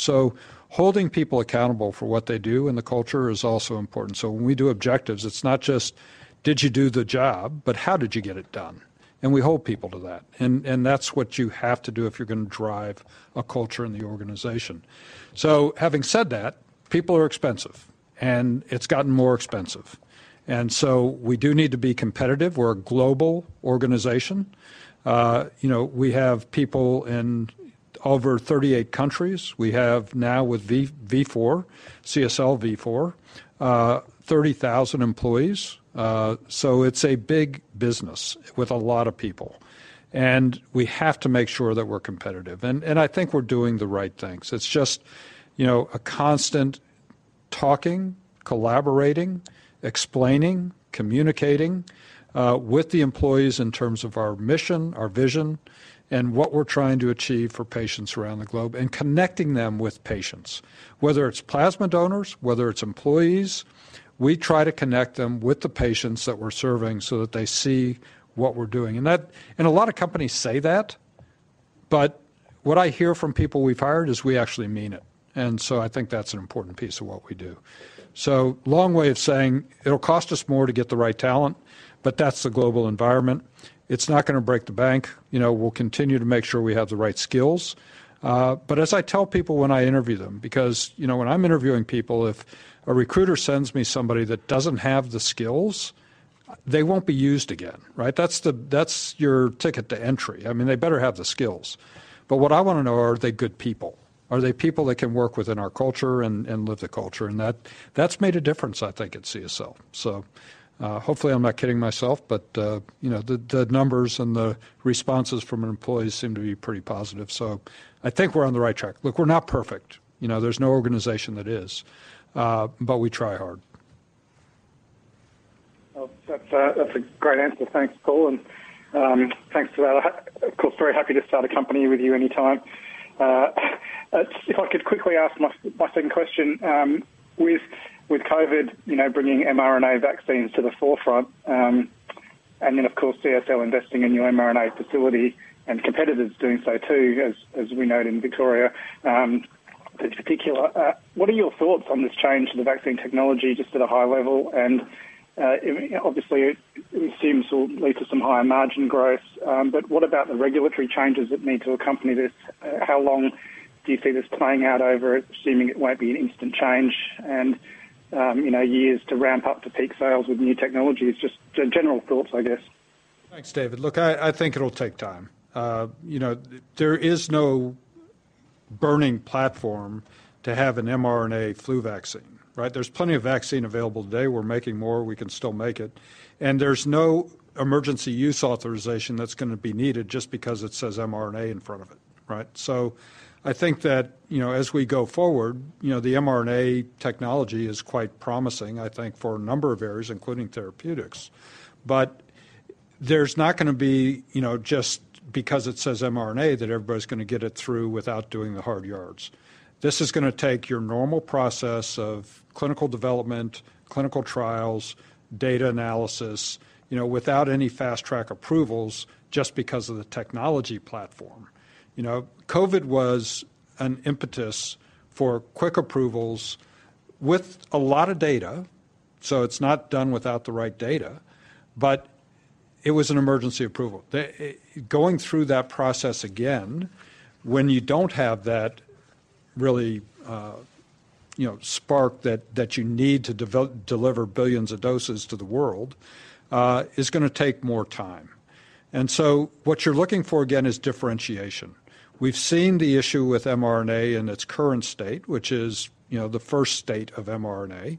Holding people accountable for what they do in the culture is also important. When we do objectives, it's not just, did you do the job, but how did you get it done? We hold people to that. That's what you have to do if you're gonna drive a culture in the organization. Having said that, people are expensive, and it's gotten more expensive. We do need to be competitive. We're a global organization. We have people in over thirty-eight countries. We have now with CSL Vifor 30,000 employees. It's a big business with a lot of people. We have to make sure that we're competitive. I think we're doing the right things. It's just a constant talking, collaborating, explaining, communicating with the employees in terms of our mission, our vision, and what we're trying to achieve for patients around the globe and connecting them with patients. Whether it's plasma donors, whether it's employees, we try to connect them with the patients that we're serving so that they see what we're doing. A lot of companies say that, but what I hear from people we've hired is we actually mean it. I think that's an important piece of what we do. Long way of saying it'll cost us more to get the right talent, but that's the global environment. It's not gonna break the bank. You know, we'll continue to make sure we have the right skills. As I tell people when I interview them, because, you know, when I'm interviewing people, if a recruiter sends me somebody that doesn't have the skills, they won't be used again, right? That's your ticket to entry. I mean, they better have the skills. What I wanna know, are they good people? Are they people that can work within our culture and live the culture? That's made a difference, I think, at CSL. Hopefully, I'm not kidding myself, but, you know, the numbers and the responses from our employees seem to be pretty positive. I think we're on the right track. Look, we're not perfect. You know, there's no organization that is, but we try hard. Oh, that's a great answer. Thanks, Paul. Thanks to that, of course, very happy to start a company with you anytime. If I could quickly ask my second question, with COVID, you know, bringing mRNA vaccines to the forefront, and then, of course, CSL investing in your mRNA facility and competitors doing so too, as we know it in Victoria, in particular, what are your thoughts on this change in the vaccine technology just at a high level and obviously, it seems to lead to some higher margin growth. But what about the regulatory changes that need to accompany this? How long do you see this playing out over assuming it won't be an instant change and you know, years to ramp up to peak sales with new technologies? Just general thoughts, I guess. Thanks, David. Look, I think it'll take time. You know, there is no burning platform to have an mRNA flu vaccine, right? There's plenty of vaccine available today. We're making more, we can still make it. There's no emergency use authorization that's gonna be needed just because it says mRNA in front of it, right? I think that, you know, as we go forward, you know, the mRNA technology is quite promising, I think for a number of areas, including therapeutics. There's not gonna be, you know, just because it says mRNA that everybody's gonna get it through without doing the hard yards. This is gonna take your normal process of clinical development, clinical trials, data analysis, you know, without any fast-track approvals just because of the technology platform. You know, COVID was an impetus for quick approvals with a lot of data, so it's not done without the right data, but it was an emergency approval. The going through that process again, when you don't have that really you know spark that you need to deliver billions of doses to the world is gonna take more time. What you're looking for again is differentiation. We've seen the issue with mRNA in its current state, which is, you know, the first state of mRNA,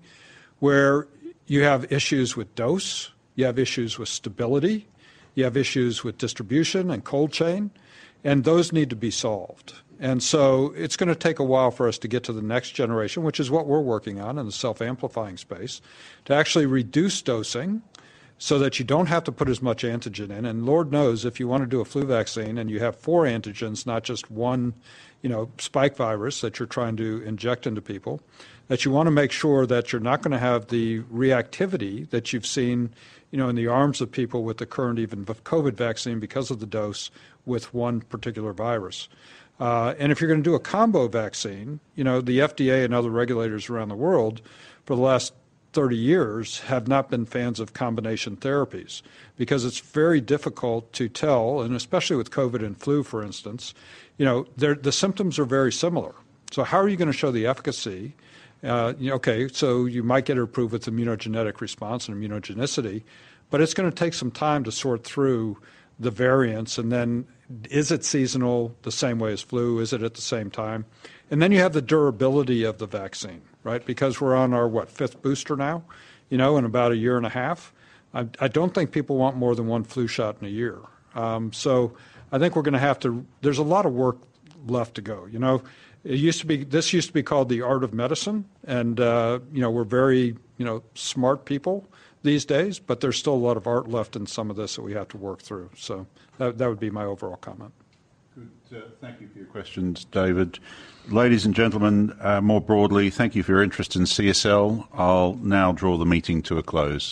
where you have issues with dose, you have issues with stability, you have issues with distribution and cold chain, and those need to be solved. It's gonna take a while for us to get to the next generation, which is what we're working on in the self-amplifying space, to actually reduce dosing so that you don't have to put as much antigen in. Lord knows, if you wanna do a flu vaccine and you have four antigens, not just one, you know, spike virus that you're trying to inject into people, that you wanna make sure that you're not gonna have the reactivity that you've seen, you know, in the arms of people with the current mRNA COVID vaccine because of the dose with one particular virus. If you're gonna do a combo vaccine, you know, the FDA and other regulators around the world for the last 30 years have not been fans of combination therapies because it's very difficult to tell, and especially with COVID and flu, for instance, you know, their symptoms are very similar. How are you gonna show the efficacy? You know, you might get it approved with immunogenic response and immunogenicity, but it's gonna take some time to sort through the variants, and then is it seasonal the same way as flu? Is it at the same time? Then you have the durability of the vaccine, right? Because we're on our, what? Fifth booster now, you know, in about a year and a half. I don't think people want more than one flu shot in a year. There's a lot of work left to go. You know, it used to be called the art of medicine, and you know, we're very, you know, smart people these days, but there's still a lot of art left in some of this that we have to work through. That would be my overall comment. Good. Thank you for your questions, David. Ladies and gentlemen, more broadly, thank you for your interest in CSL. I'll now draw the meeting to a close.